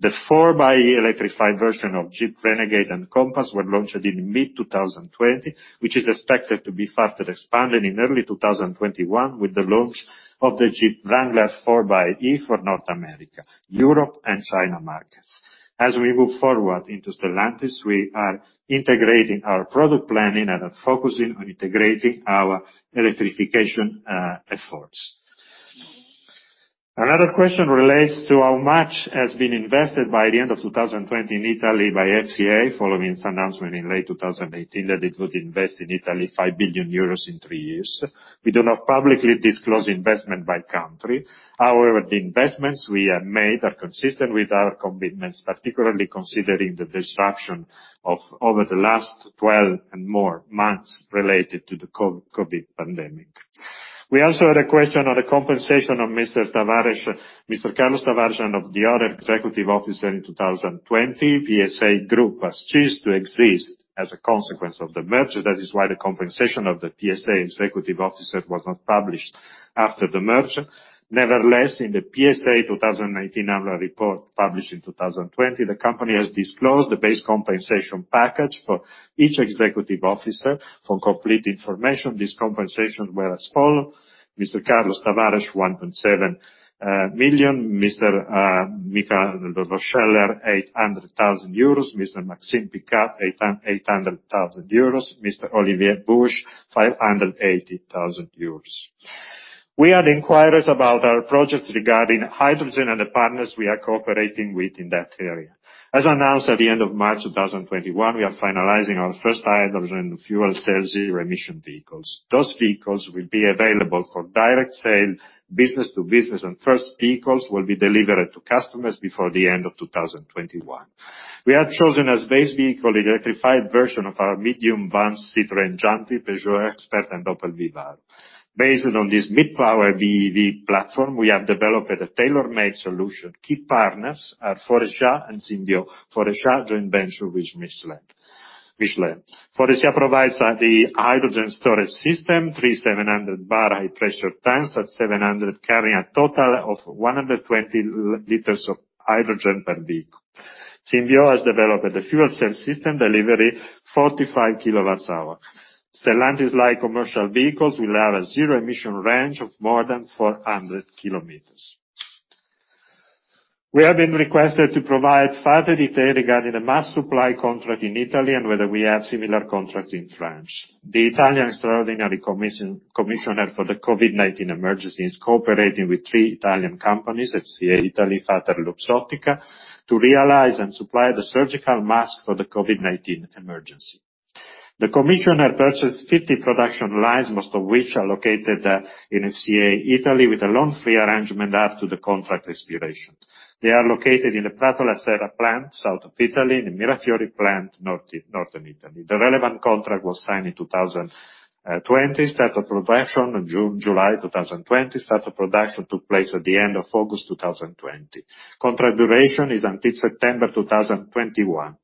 The 4xe electrified version of Jeep Renegade and Compass were launched in mid-2020, which is expected to be further expanded in early 2021 with the launch of the Jeep Wrangler 4xe for North America, Europe, and China markets. As we move forward into Stellantis, we are integrating our product planning and are focusing on integrating our electrification efforts. Another question relates to how much has been invested by the end of 2020 in Italy by FCA, following its announcement in late 2018 that it would invest in Italy 5 billion euros in three years. We do not publicly disclose investment by country. The investments we have made are consistent with our commitments, particularly considering the disruption of over the last 12 and more months related to the COVID pandemic. We also had a question on the compensation of Mr. Carlos Tavares and of the other executive officers in 2020. PSA Group has ceased to exist as a consequence of the merger. That is why the compensation of the PSA executive officer was not published after the merger. Nevertheless, in the PSA 2019 annual report published in 2020, the company has disclosed the base compensation package for each executive officer. For complete information, these compensation were as follow: Mr. Carlos Tavares, 1.7 million. Mr. Michael Lohscheller, 800,000 euros. Mr. Maxime Picat, 800,000 euros. Mr. Olivier Bourges, 580,000 euros. We had inquiries about our projects regarding hydrogen and the partners we are cooperating with in that area. As announced at the end of March 2021, we are finalizing our first hydrogen fuel cells zero emission vehicles. Those vehicles will be available for direct sale business to business, and first vehicles will be delivered to customers before the end of 2021. We have chosen as base vehicle the electrified version of our medium vans, Citroën Jumpy, Peugeot Expert, and Opel Vivaro. Based on this mid-power BEV platform, we have developed a tailor-made solution. Key partners are Faurecia and Symbio. Faurecia joint venture with Michelin. Faurecia provides the hydrogen storage system, three 700 bar high pressure tanks at 700, carrying a total of 120 liters of hydrogen per vehicle. Symbio has developed the fuel cell system delivery 45 KWh. Stellantis light commercial vehicles will have a zero emission range of more than 400 km. We have been requested to provide further detail regarding the mask supply contract in Italy and whether we have similar contracts in France. The Italian extraordinary commissioner for the COVID-19 emergency is cooperating with three Italian companies, FCA Italy, Fater, Luxottica, to realize and supply the surgical mask for the COVID-19 emergency. The commissioner purchased 50 production lines, most of which are located in FCA Italy, with a loan-free arrangement after the contract expiration. They are located in the Pratola Serra plant, south of Italy, and the Mirafiori plant, northern Italy. The relevant contract was signed in 2020. Start of production, July 2020. Start of production took place at the end of August 2020. Contract duration is until September 2021.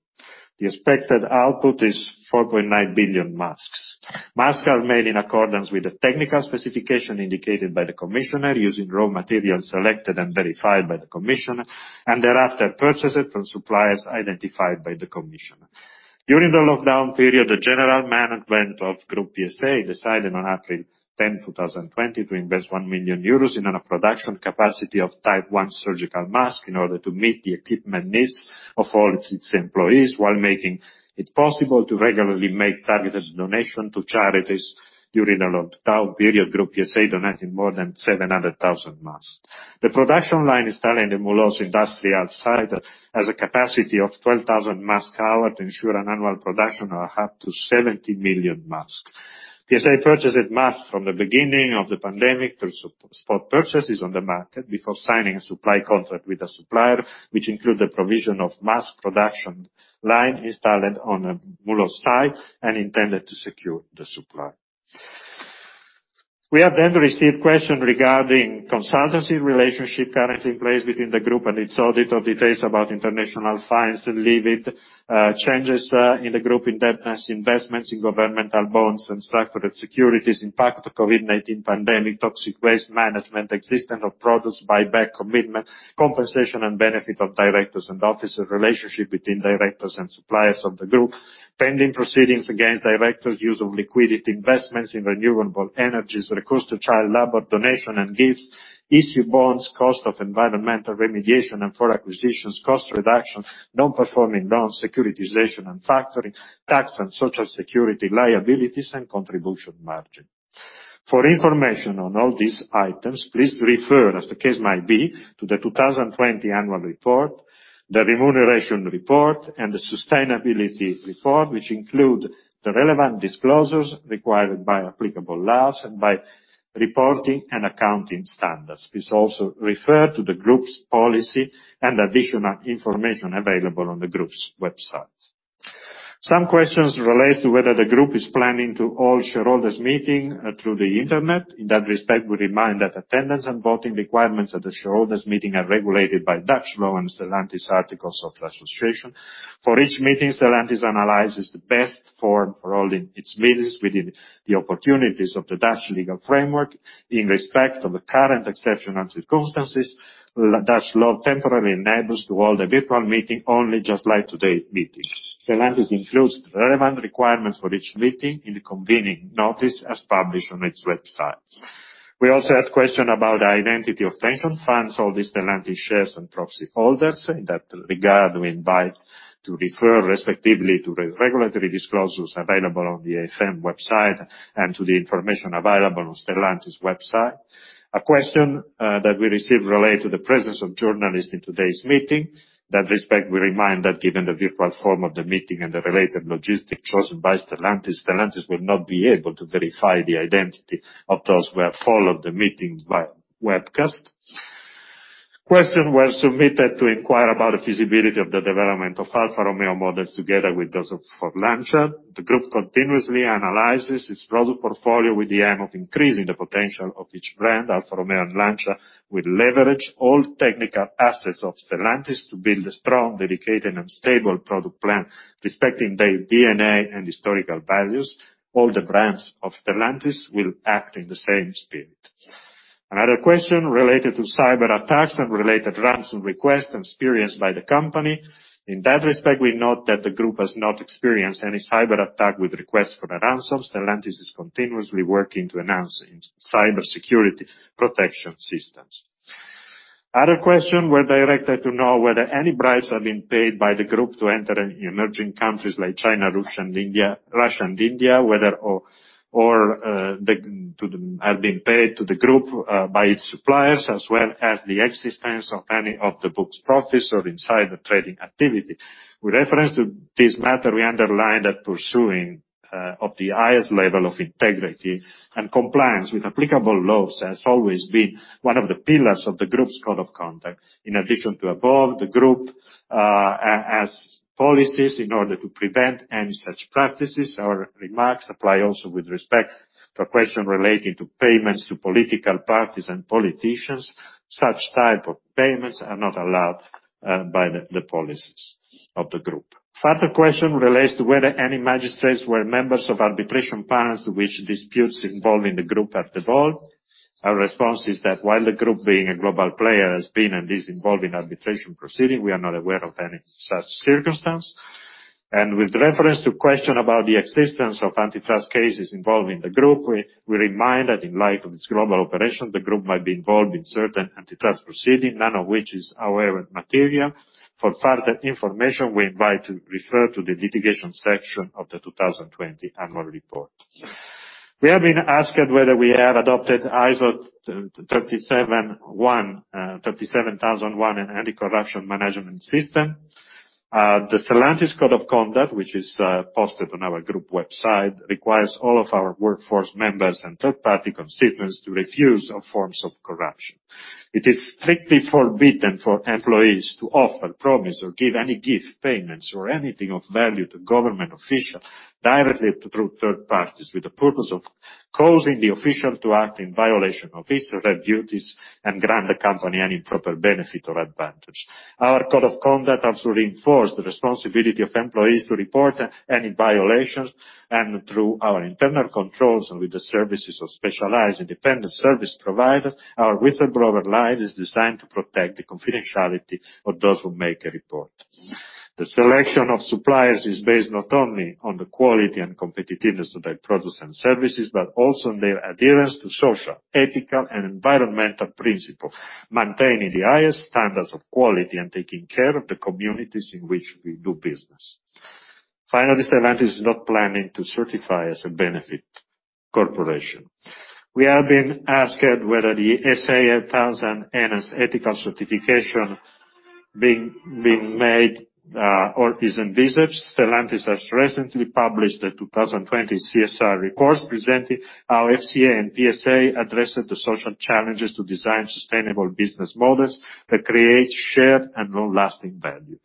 The expected output is 4.9 billion masks. Masks are made in accordance with the technical specification indicated by the commissioner using raw materials selected and verified by the commissioner, and thereafter purchased from suppliers identified by the commissioner. During the lockdown period, the general management of Groupe PSA decided on April 10, 2020 to invest 1 million euros in annual production capacity of type 1 surgical mask in order to meet the equipment needs of all its employees while making it possible to regularly make targeted donation to charities. During the lockdown period, Groupe PSA donated more than 700,000 masks. The production line installed in the Mulhouse industrial site has a capacity of 12,000 mask hour to ensure an annual production of up to 70 million masks. PSA purchased masks from the beginning of the pandemic through spot purchases on the market before signing a supply contract with the supplier, which include the provision of mask production line installed on Mulhouse site and intended to secure the supply. We have received question regarding consultancy relationship currently in place within the group and its audit of details about international fines and leveraged changes in the group indebtedness, investments in governmental bonds and structured securities, impact of COVID-19 pandemic, toxic waste management, existence of products buyback commitment, compensation and benefit of directors and officers, relationship between directors and suppliers of the group, pending proceedings against directors, use of liquidity, investments in renewable energies, recourse to child labor, donation and gifts, issued bonds, cost of environmental remediation and for acquisitions, cost reduction, non-performing loans, securitization and factoring, tax and Social Security liabilities, and contribution margin. For information on all these items, please refer, as the case might be, to the 2020 annual report, the remuneration report, and the sustainability report, which include the relevant disclosures required by applicable laws and by reporting and accounting standards. Please also refer to the group's policy and additional information available on the group's website. Some questions relate to whether the group is planning to hold shareholders meeting through the internet. In that respect, we remind that attendance and voting requirements at the shareholders meeting are regulated by Dutch law and Stellantis articles of association. For each meeting, Stellantis analyzes the best form for holding its meetings within the opportunities of the Dutch legal framework. In respect of the current exceptional circumstances, Dutch law temporarily enables to hold a virtual meeting only just like today's meeting. Stellantis includes relevant requirements for each meeting in the convening notice as published on its website. We also have question about identity of pension funds, all the Stellantis shares and proxy holders. In that regard, we invite to refer respectively to the regulatory disclosures available on the AFM website and to the information available on Stellantis website. A question that we received relate to the presence of journalists in today's meeting. In that respect, we remind that given the virtual form of the meeting and the related logistics chosen by Stellantis will not be able to verify the identity of those who have followed the meeting by webcast. Question were submitted to inquire about the feasibility of the development of Alfa Romeo models together with those of for Lancia. The group continuously analyzes its product portfolio with the aim of increasing the potential of each brand. Alfa Romeo and Lancia will leverage all technical assets of Stellantis to build a strong, dedicated, and stable product plan, respecting their DNA and historical values. All the brands of Stellantis will act in the same spirit. Another question related to cyber attacks and related ransom requests experienced by the company. In that respect, we note that the group has not experienced any cyber attack with requests for a ransom. Stellantis is continuously working to enhancing cybersecurity protection systems. Other question were directed to know whether any bribes have been paid by the group to enter in emerging countries like China, Russia, and India, whether or have been paid to the group by its suppliers, as well as the existence of any off-the-books profits or insider trading activity. With reference to this matter, we underline that pursuing of the highest level of integrity and compliance with applicable laws has always been one of the pillars of the group's code of conduct. In addition to above, the group has policies in order to prevent any such practices. Our remarks apply also with respect to question relating to payments to political parties and politicians. Such type of payments are not allowed by the policies of the group. A further question relates to whether any magistrates were members of arbitration panels to which disputes involving the group have involved. Our response is that while the group being a global player has been and is involved in arbitration proceeding, we are not aware of any such circumstance. With reference to question about the existence of antitrust cases involving the group, we remind that in light of its global operation, the group might be involved in certain antitrust proceeding, none of which is however material. For further information, we invite to refer to the litigation section of the 2020 annual report. We have been asked whether we have adopted ISO 37001 anti-corruption management system. The Stellantis code of conduct, which is posted on our group website, requires all of our workforce members and third party constituents to refuse all forms of corruption. It is strictly forbidden for employees to offer, promise or give any gift, payments or anything of value to government official, directly or through third parties with the purpose of causing the official to act in violation of his or her duties and grant the company any improper benefit or advantage. Our code of conduct also reinforce the responsibility of employees to report any violations, and through our internal controls and with the services of specialized independent service provider, our whistleblower line is designed to protect the confidentiality of those who make a report. The selection of suppliers is based not only on the quality and competitiveness of their products and services, but also on their adherence to social, ethical, and environmental principles, maintaining the highest standards of quality and taking care of the communities in which we do business. Finally, Stellantis is not planning to certify as a benefit corporation. We have been asked whether the SA8000 ethical certification being made or is in research. Stellantis has recently published the 2020 CSR report presenting how FCA and PSA addressed the social challenges to design sustainable business models that create shared and long-lasting value.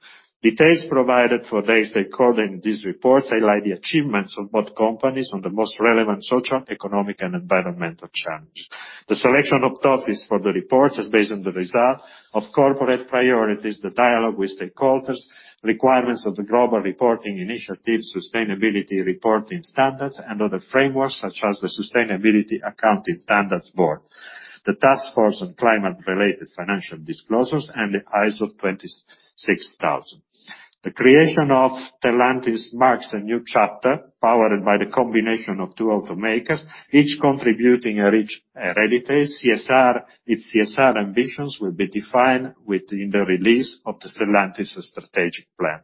Details provided for the stakeholders in this report highlight the achievements of both companies on the most relevant social, economic, and environmental challenge. The selection of topics for the report is based on the result of corporate priorities, the dialogue with stakeholders, requirements of the Global Reporting Initiative Sustainability Reporting Standards, and other frameworks such as the Sustainability Accounting Standards Board, the Task Force on Climate-related Financial Disclosures, and the ISO 26000. The creation of Stellantis marks a new chapter powered by the combination of two automakers, each contributing a rich heritage. Its CSR ambitions will be defined within the release of the Stellantis strategic plan.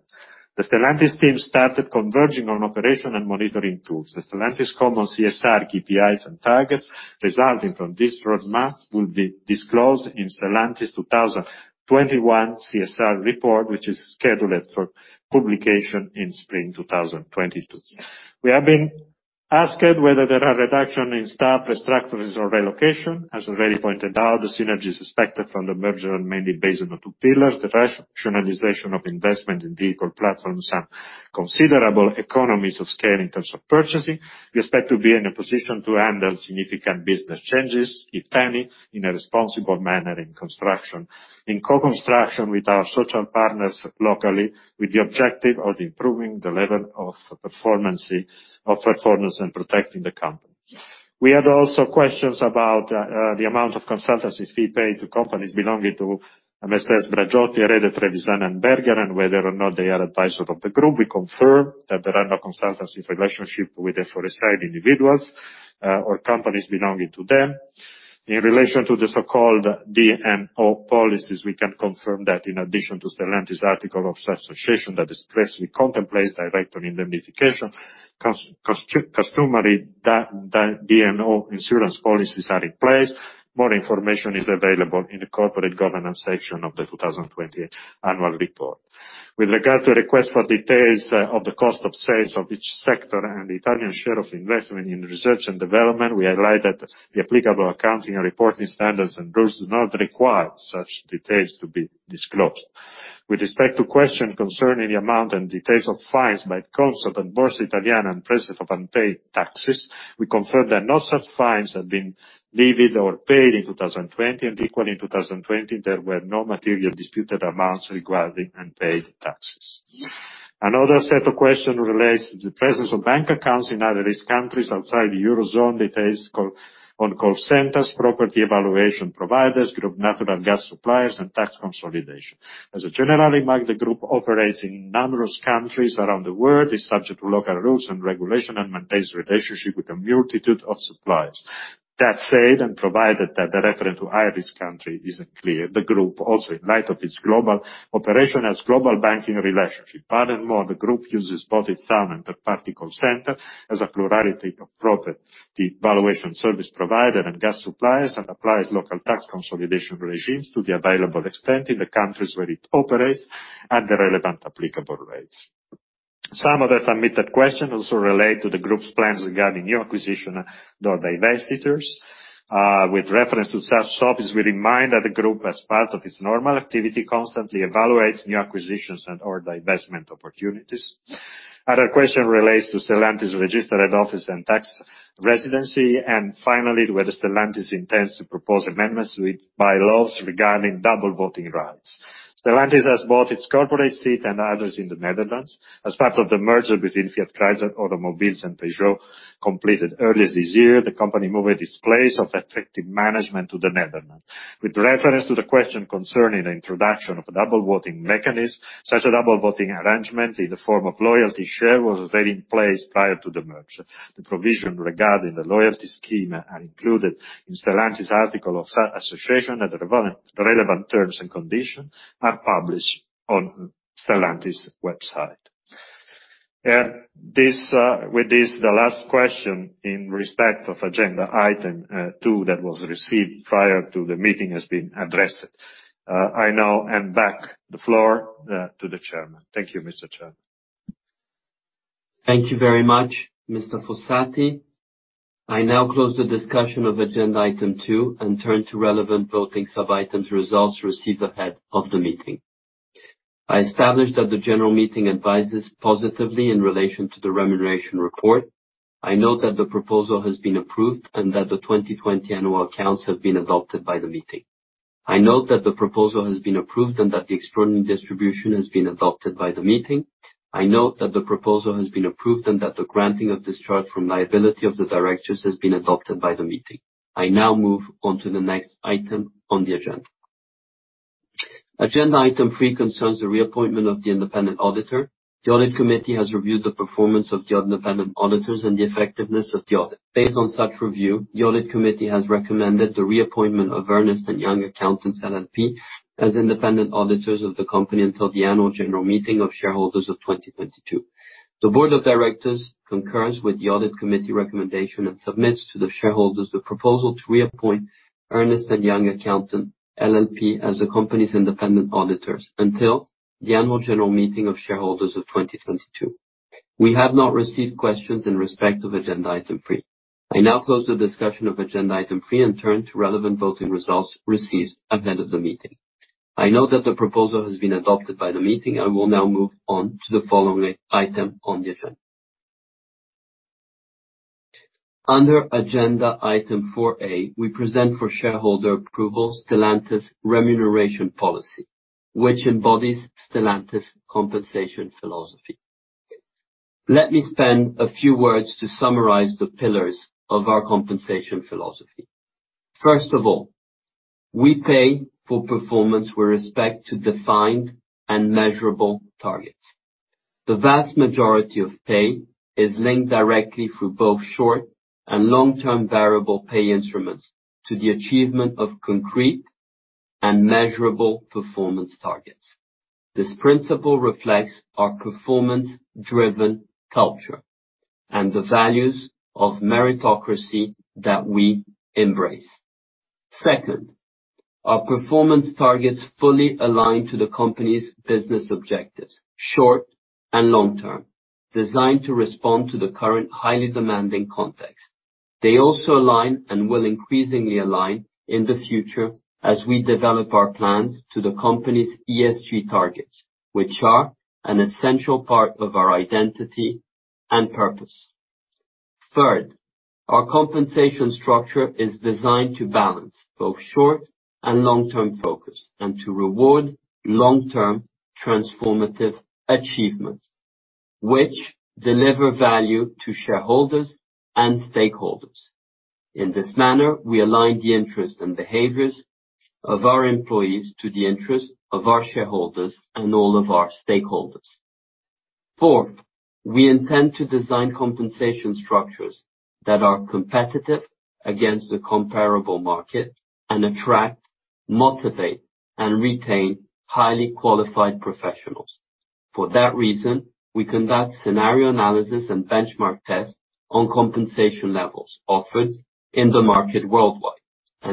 The Stellantis team started converging on operation and monitoring tools. The Stellantis common CSR, KPIs, and targets resulting from this roadmap will be disclosed in Stellantis 2021 CSR report, which is scheduled for publication in spring 2022. We have been asked whether there are reduction in staff restructures or relocation. As already pointed out, the synergies expected from the merger are mainly based on the two pillars, the rationalization of investment in vehicle platforms and considerable economies of scale in terms of purchasing. We expect to be in a position to handle significant business changes, if any, in a responsible manner in construction. In co-construction with our social partners locally, with the objective of improving the level of performance and protecting the company. We had also questions about the amount of consultancy fee paid to companies belonging to Messrs. Bradotti, Red & Trevisan, and Berger, and whether or not they are adviser of the group. We confirm that there are no consultancy relationships with the aforesaid individuals or companies belonging to them. In relation to the so-called D&O policies, we can confirm that in addition to Stellantis article of association that expressly contemplates director indemnification, customary D&O insurance policies are in place. More information is available in the corporate governance section of the 2020 annual report. With regard to request for details of the cost of sales of each sector and the Italian share of investment in research and development, we highlight that the applicable accounting and reporting standards and rules do not require such details to be disclosed. With respect to question concerning the amount and details of fines by the CONSOB and Borsa Italiana and presence of unpaid taxes, we confirm that no such fines have been levied or paid in 2020, and equally in 2020, there were no material disputed amounts regarding unpaid taxes. Another set of questions relates to the presence of bank accounts in high-risk countries outside the Eurozone. Details on call centers, property evaluation providers, group natural gas suppliers, and tax consolidation. As a general remark, the group operates in numerous countries around the world, is subject to local rules and regulations, and maintains relationships with a multitude of suppliers. That said, and provided that the reference to high-risk countries isn't clear, the group, also in light of its global operations, has global banking relationships. Furthermore, the group uses both its own and third-party contact centers as a plurality of providers. Valuation service providers and gas suppliers, and applies local tax consolidation regimes to the available extent in the countries where it operates at the relevant applicable rates. Some of the submitted questions also relate to the group's plans regarding new acquisitions or divestitures. With reference to such topics, we remind that the group, as part of its normal activity, constantly evaluates new acquisitions and/or divestment opportunities. Other question relates to Stellantis registered office and tax residency. Finally, whether Stellantis intends to propose amendments with bylaws regarding double voting rights. Stellantis has both its corporate seat and its tax residency in the Netherlands. As part of the merger between Fiat Chrysler Automobiles and Peugeot completed earlier this year, the company moved its place of effective management to the Netherlands. With reference to the question concerning the introduction of a double voting mechanism, such a double voting arrangement in the form of loyalty share was already in place prior to the merger. The provision regarding the loyalty scheme are included in Stellantis article of association at the relevant terms and conditions are published on Stellantis website. With this, the last question in respect of agenda item two that was received prior to the meeting has been addressed. I now hand back the floor to the Chairman. Thank you, Mr. Chairman. Thank you very much, Mr. Fossati. I now close the discussion of agenda item two and turn to relevant voting sub-items results received ahead of the meeting. I establish that the general meeting advises positively in relation to the remuneration report. I note that the proposal has been approved and that the 2020 annual accounts have been adopted by the meeting. I note that the proposal has been approved and that the extraordinary distribution has been adopted by the meeting. I note that the proposal has been approved and that the granting of discharge from liability of the directors has been adopted by the meeting. I now move on to the next item on the agenda. Agenda item three concerns the reappointment of the independent auditor. The audit committee has reviewed the performance of the independent auditors and the effectiveness of the audit. Based on such review, the audit committee has recommended the reappointment of Ernst & Young Accountants LLP as independent auditors of the company until the annual general meeting of shareholders of 2022. The board of directors concurs with the audit committee recommendation and submits to the shareholders the proposal to reappoint Ernst & Young Accountants LLP as the company's independent auditors until the annual general meeting of shareholders of 2022. We have not received questions in respect of agenda item three. I now close the discussion of agenda item three and turn to relevant voting results received at the end of the meeting. I note that the proposal has been adopted by the meeting. I will now move on to the following item on the agenda. Under agenda item 4A, we present for shareholder approval Stellantis remuneration policy, which embodies Stellantis compensation philosophy. Let me spend a few words to summarize the pillars of our compensation philosophy. First of all, we pay for performance with respect to defined and measurable targets. The vast majority of pay is linked directly through both short- and long-term variable pay instruments to the achievement of concrete and measurable performance targets. This principle reflects our performance-driven culture and the values of meritocracy that we embrace. Second, our performance targets fully align to the company's business objectives, short- and long-term, designed to respond to the current highly demanding context. They also align and will increasingly align in the future as we develop our plans to the company's ESG targets, which are an essential part of our identity and purpose. Third, our compensation structure is designed to balance both short- and long-term focus, and to reward long-term transformative achievements, which deliver value to shareholders and stakeholders. In this manner, we align the interests and behaviors of our employees to the interests of our shareholders and all of our stakeholders. Fourth, we intend to design compensation structures that are competitive against the comparable market and attract, motivate, and retain highly qualified professionals. For that reason, we conduct scenario analysis and benchmark tests on compensation levels offered in the market worldwide.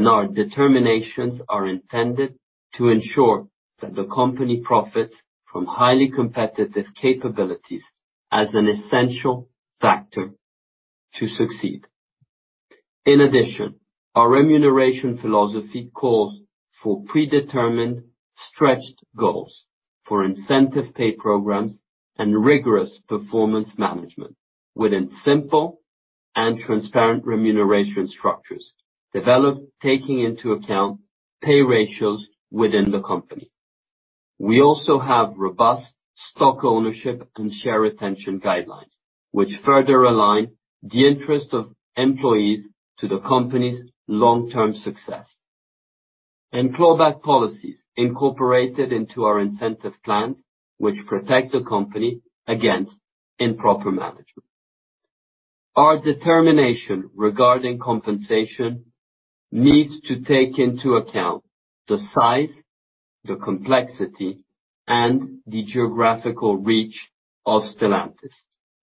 Our determinations are intended to ensure that the company profits from highly competitive capabilities as an essential factor to succeed. In addition, our remuneration philosophy calls for predetermined stretched goals for incentive pay programs and rigorous performance management within simple and transparent remuneration structures, developed taking into account pay ratios within the company. We also have robust stock ownership and share retention guidelines, which further align the interest of employees to the company's long-term success, and clawback policies incorporated into our incentive plans, which protect the company against improper management. Our determination regarding compensation needs to take into account the size, the complexity, and the geographical reach of Stellantis,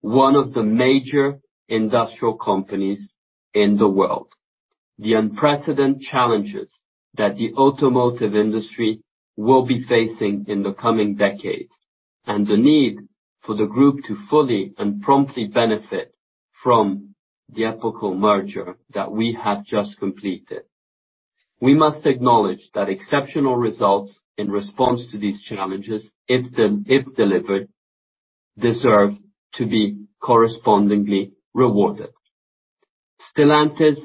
one of the major industrial companies in the world. The unprecedented challenges that the automotive industry will be facing in the coming decades, and the need for the group to fully and promptly benefit from the epochal merger that we have just completed. We must acknowledge that exceptional results in response to these challenges, if delivered, deserve to be correspondingly rewarded. Stellantis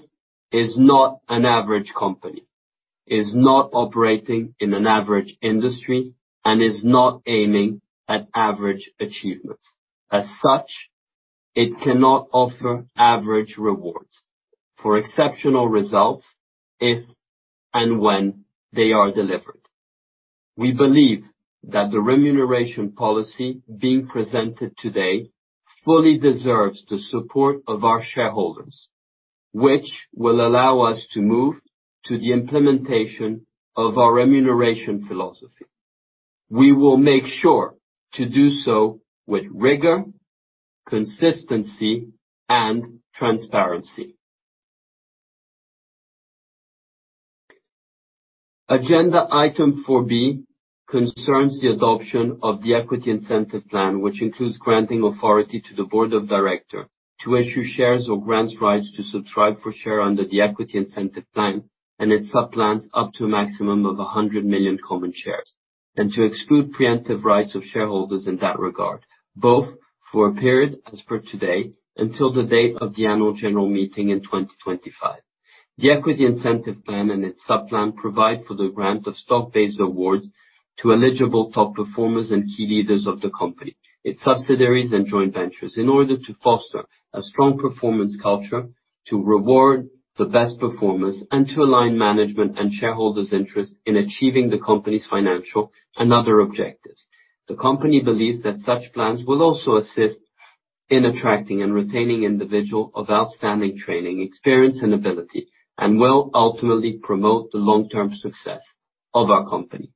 is not an average company, is not operating in an average industry, and is not aiming at average achievements. As such, it cannot offer average rewards for exceptional results if and when they are delivered. We believe that the remuneration policy being presented today fully deserves the support of our shareholders, which will allow us to move to the implementation of our remuneration philosophy. We will make sure to do so with rigor, consistency, and transparency. Agenda item 4B concerns the adoption of the equity incentive plan, which includes granting authority to the board of director to issue shares or grants rights to subscribe for share under the equity incentive plan and its sub-plans up to a maximum of 100 million common shares, and to exclude preemptive rights of shareholders in that regard, both for a period as per today, until the date of the annual general meeting in 2025. The equity incentive plan and its sub-plan provide for the grant of stock-based awards to eligible top performers and key leaders of the company, its subsidiaries, and joint ventures in order to foster a strong performance culture, to reward the best performers, and to align management and shareholders' interests in achieving the company's financial and other objectives. The company believes that such plans will also assist in attracting and retaining individual of outstanding training, experience, and ability, and will ultimately promote the long-term success of our company.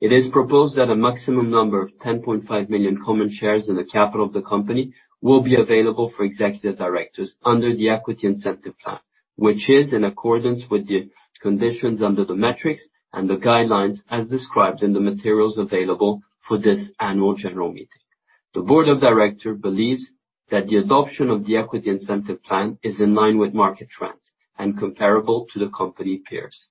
It is proposed that a maximum number of 10.5 million common shares in the capital of the company will be available for executive directors under the equity incentive plan. Which is in accordance with the conditions under the metrics and the guidelines as described in the materials available for this annual general meeting. The board of directors believes that the adoption of the equity incentive plan is in line with market trends and comparable to the company peers.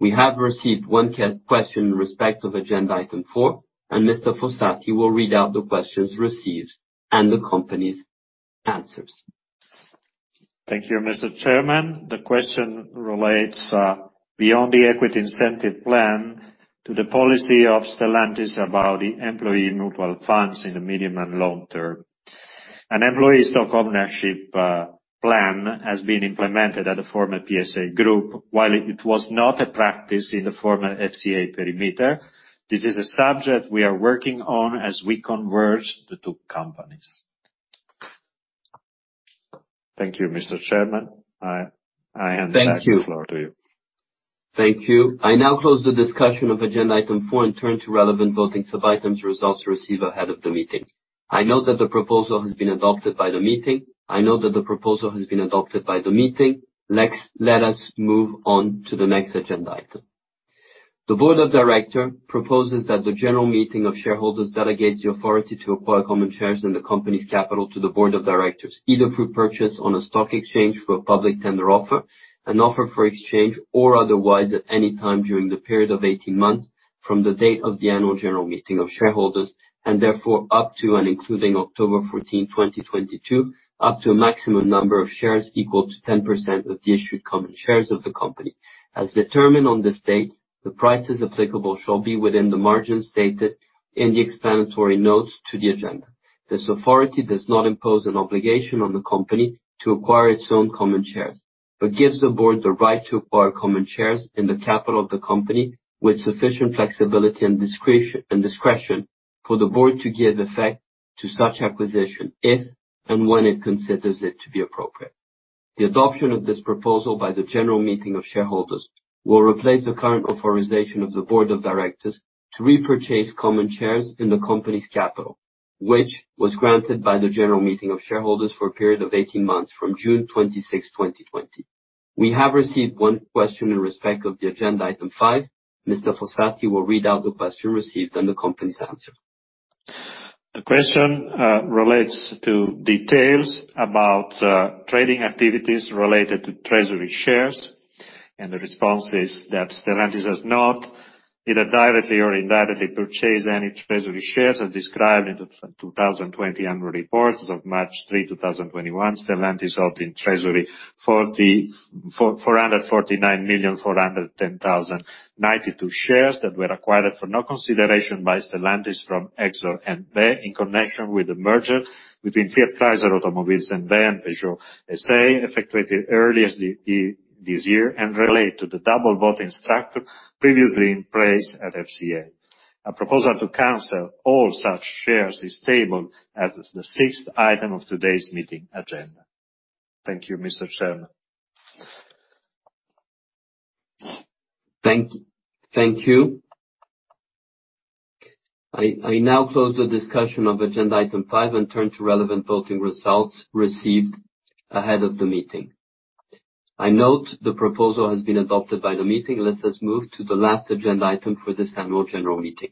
We have received one question in respect of agenda item four, and Mr. Fossati will read out the questions received and the company's answers. Thank you, Mr. Chairman. The question relates, beyond the equity incentive plan, to the policy of Stellantis about the employee mutual funds in the medium and long term. An employee stock ownership plan has been implemented at the former PSA Group, while it was not a practice in the former FCA perimeter. This is a subject we are working on as we converge the two companies. Thank you, Mr. Chairman. I hand back the floor to you. Thank you. I now close the discussion of agenda item four and turn to relevant voting sub-items results received ahead of the meeting. I note that the proposal has been adopted by the meeting. Let us move on to the next agenda item. The board of director proposes that the general meeting of shareholders delegates the authority to acquire common shares in the company's capital to the board of directors, either through purchase on a stock exchange for a public tender offer, an offer for exchange, or otherwise, at any time during the period of 18 months from the date of the annual general meeting of shareholders, and therefore up to and including October 14, 2022, up to a maximum number of shares equal to 10% of the issued common shares of the company. As determined on this date, the prices applicable shall be within the margins stated in the explanatory notes to the agenda. This authority does not impose an obligation on the company to acquire its own common shares, but gives the board the right to acquire common shares in the capital of the company with sufficient flexibility and discretion for the board to give effect to such acquisition, if and when it considers it to be appropriate. The adoption of this proposal by the general meeting of shareholders will replace the current authorization of the board of directors to repurchase common shares in the company's capital, which was granted by the general meeting of shareholders for a period of 18 months from June 26, 2020. We have received one question in respect of the agenda item five. Mr. Fossati will read out the question received and the company's answer. The question relates to details about trading activities related to treasury shares, and the response is that Stellantis has not, either directly or indirectly, purchased any treasury shares as described in the 2020 annual reports of March 3rd, 2021. Stellantis held in treasury 449,410,092 shares that were acquired for no consideration by Stellantis from Exor N.V. in connection with the merger between Fiat Chrysler Automobiles N.V. and Peugeot S.A., effectuated earliest this year, and relate to the double voting structure previously in place at FCA. A proposal to cancel all such shares is tabled as the sixth item of today's meeting agenda. Thank you, Mr. Chairman. Thank you. I now close the discussion of agenda item five and turn to relevant voting results received ahead of the meeting. I note the proposal has been adopted by the meeting. Let us move to the last agenda item for this annual general meeting.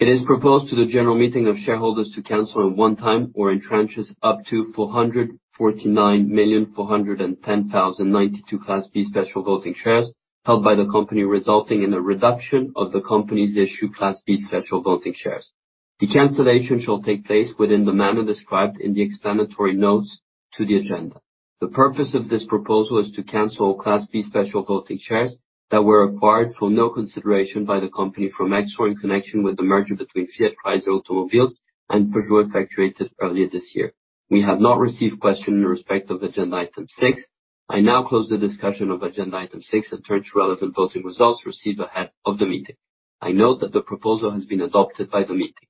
It is proposed to the general meeting of shareholders to cancel at one time or in tranches up to 449,410,092 Class B special voting shares held by the company, resulting in a reduction of the company's issued Class B special voting shares. The cancellation shall take place within the manner described in the explanatory notes to the agenda. The purpose of this proposal is to cancel Class B special voting shares that were acquired for no consideration by the company from Exor in connection with the merger between Fiat Chrysler Automobiles and Peugeot, effectuated earlier this year. We have not received question in respect of agenda item six. I now close the discussion of agenda item six and turn to relevant voting results received ahead of the meeting. I note that the proposal has been adopted by the meeting.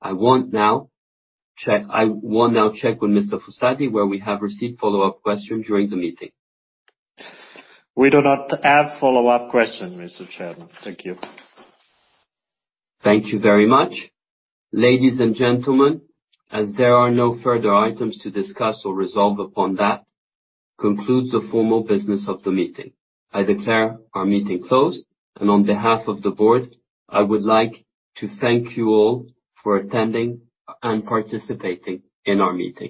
I will now check with Mr. Fossati where we have received follow-up question during the meeting. We do not have follow-up question, Mr. Chairman. Thank you. Thank you very much. Ladies and gentlemen, as there are no further items to discuss or resolve upon, that concludes the formal business of the meeting. I declare our meeting closed, and on behalf of the board, I would like to thank you all for attending and participating in our meeting.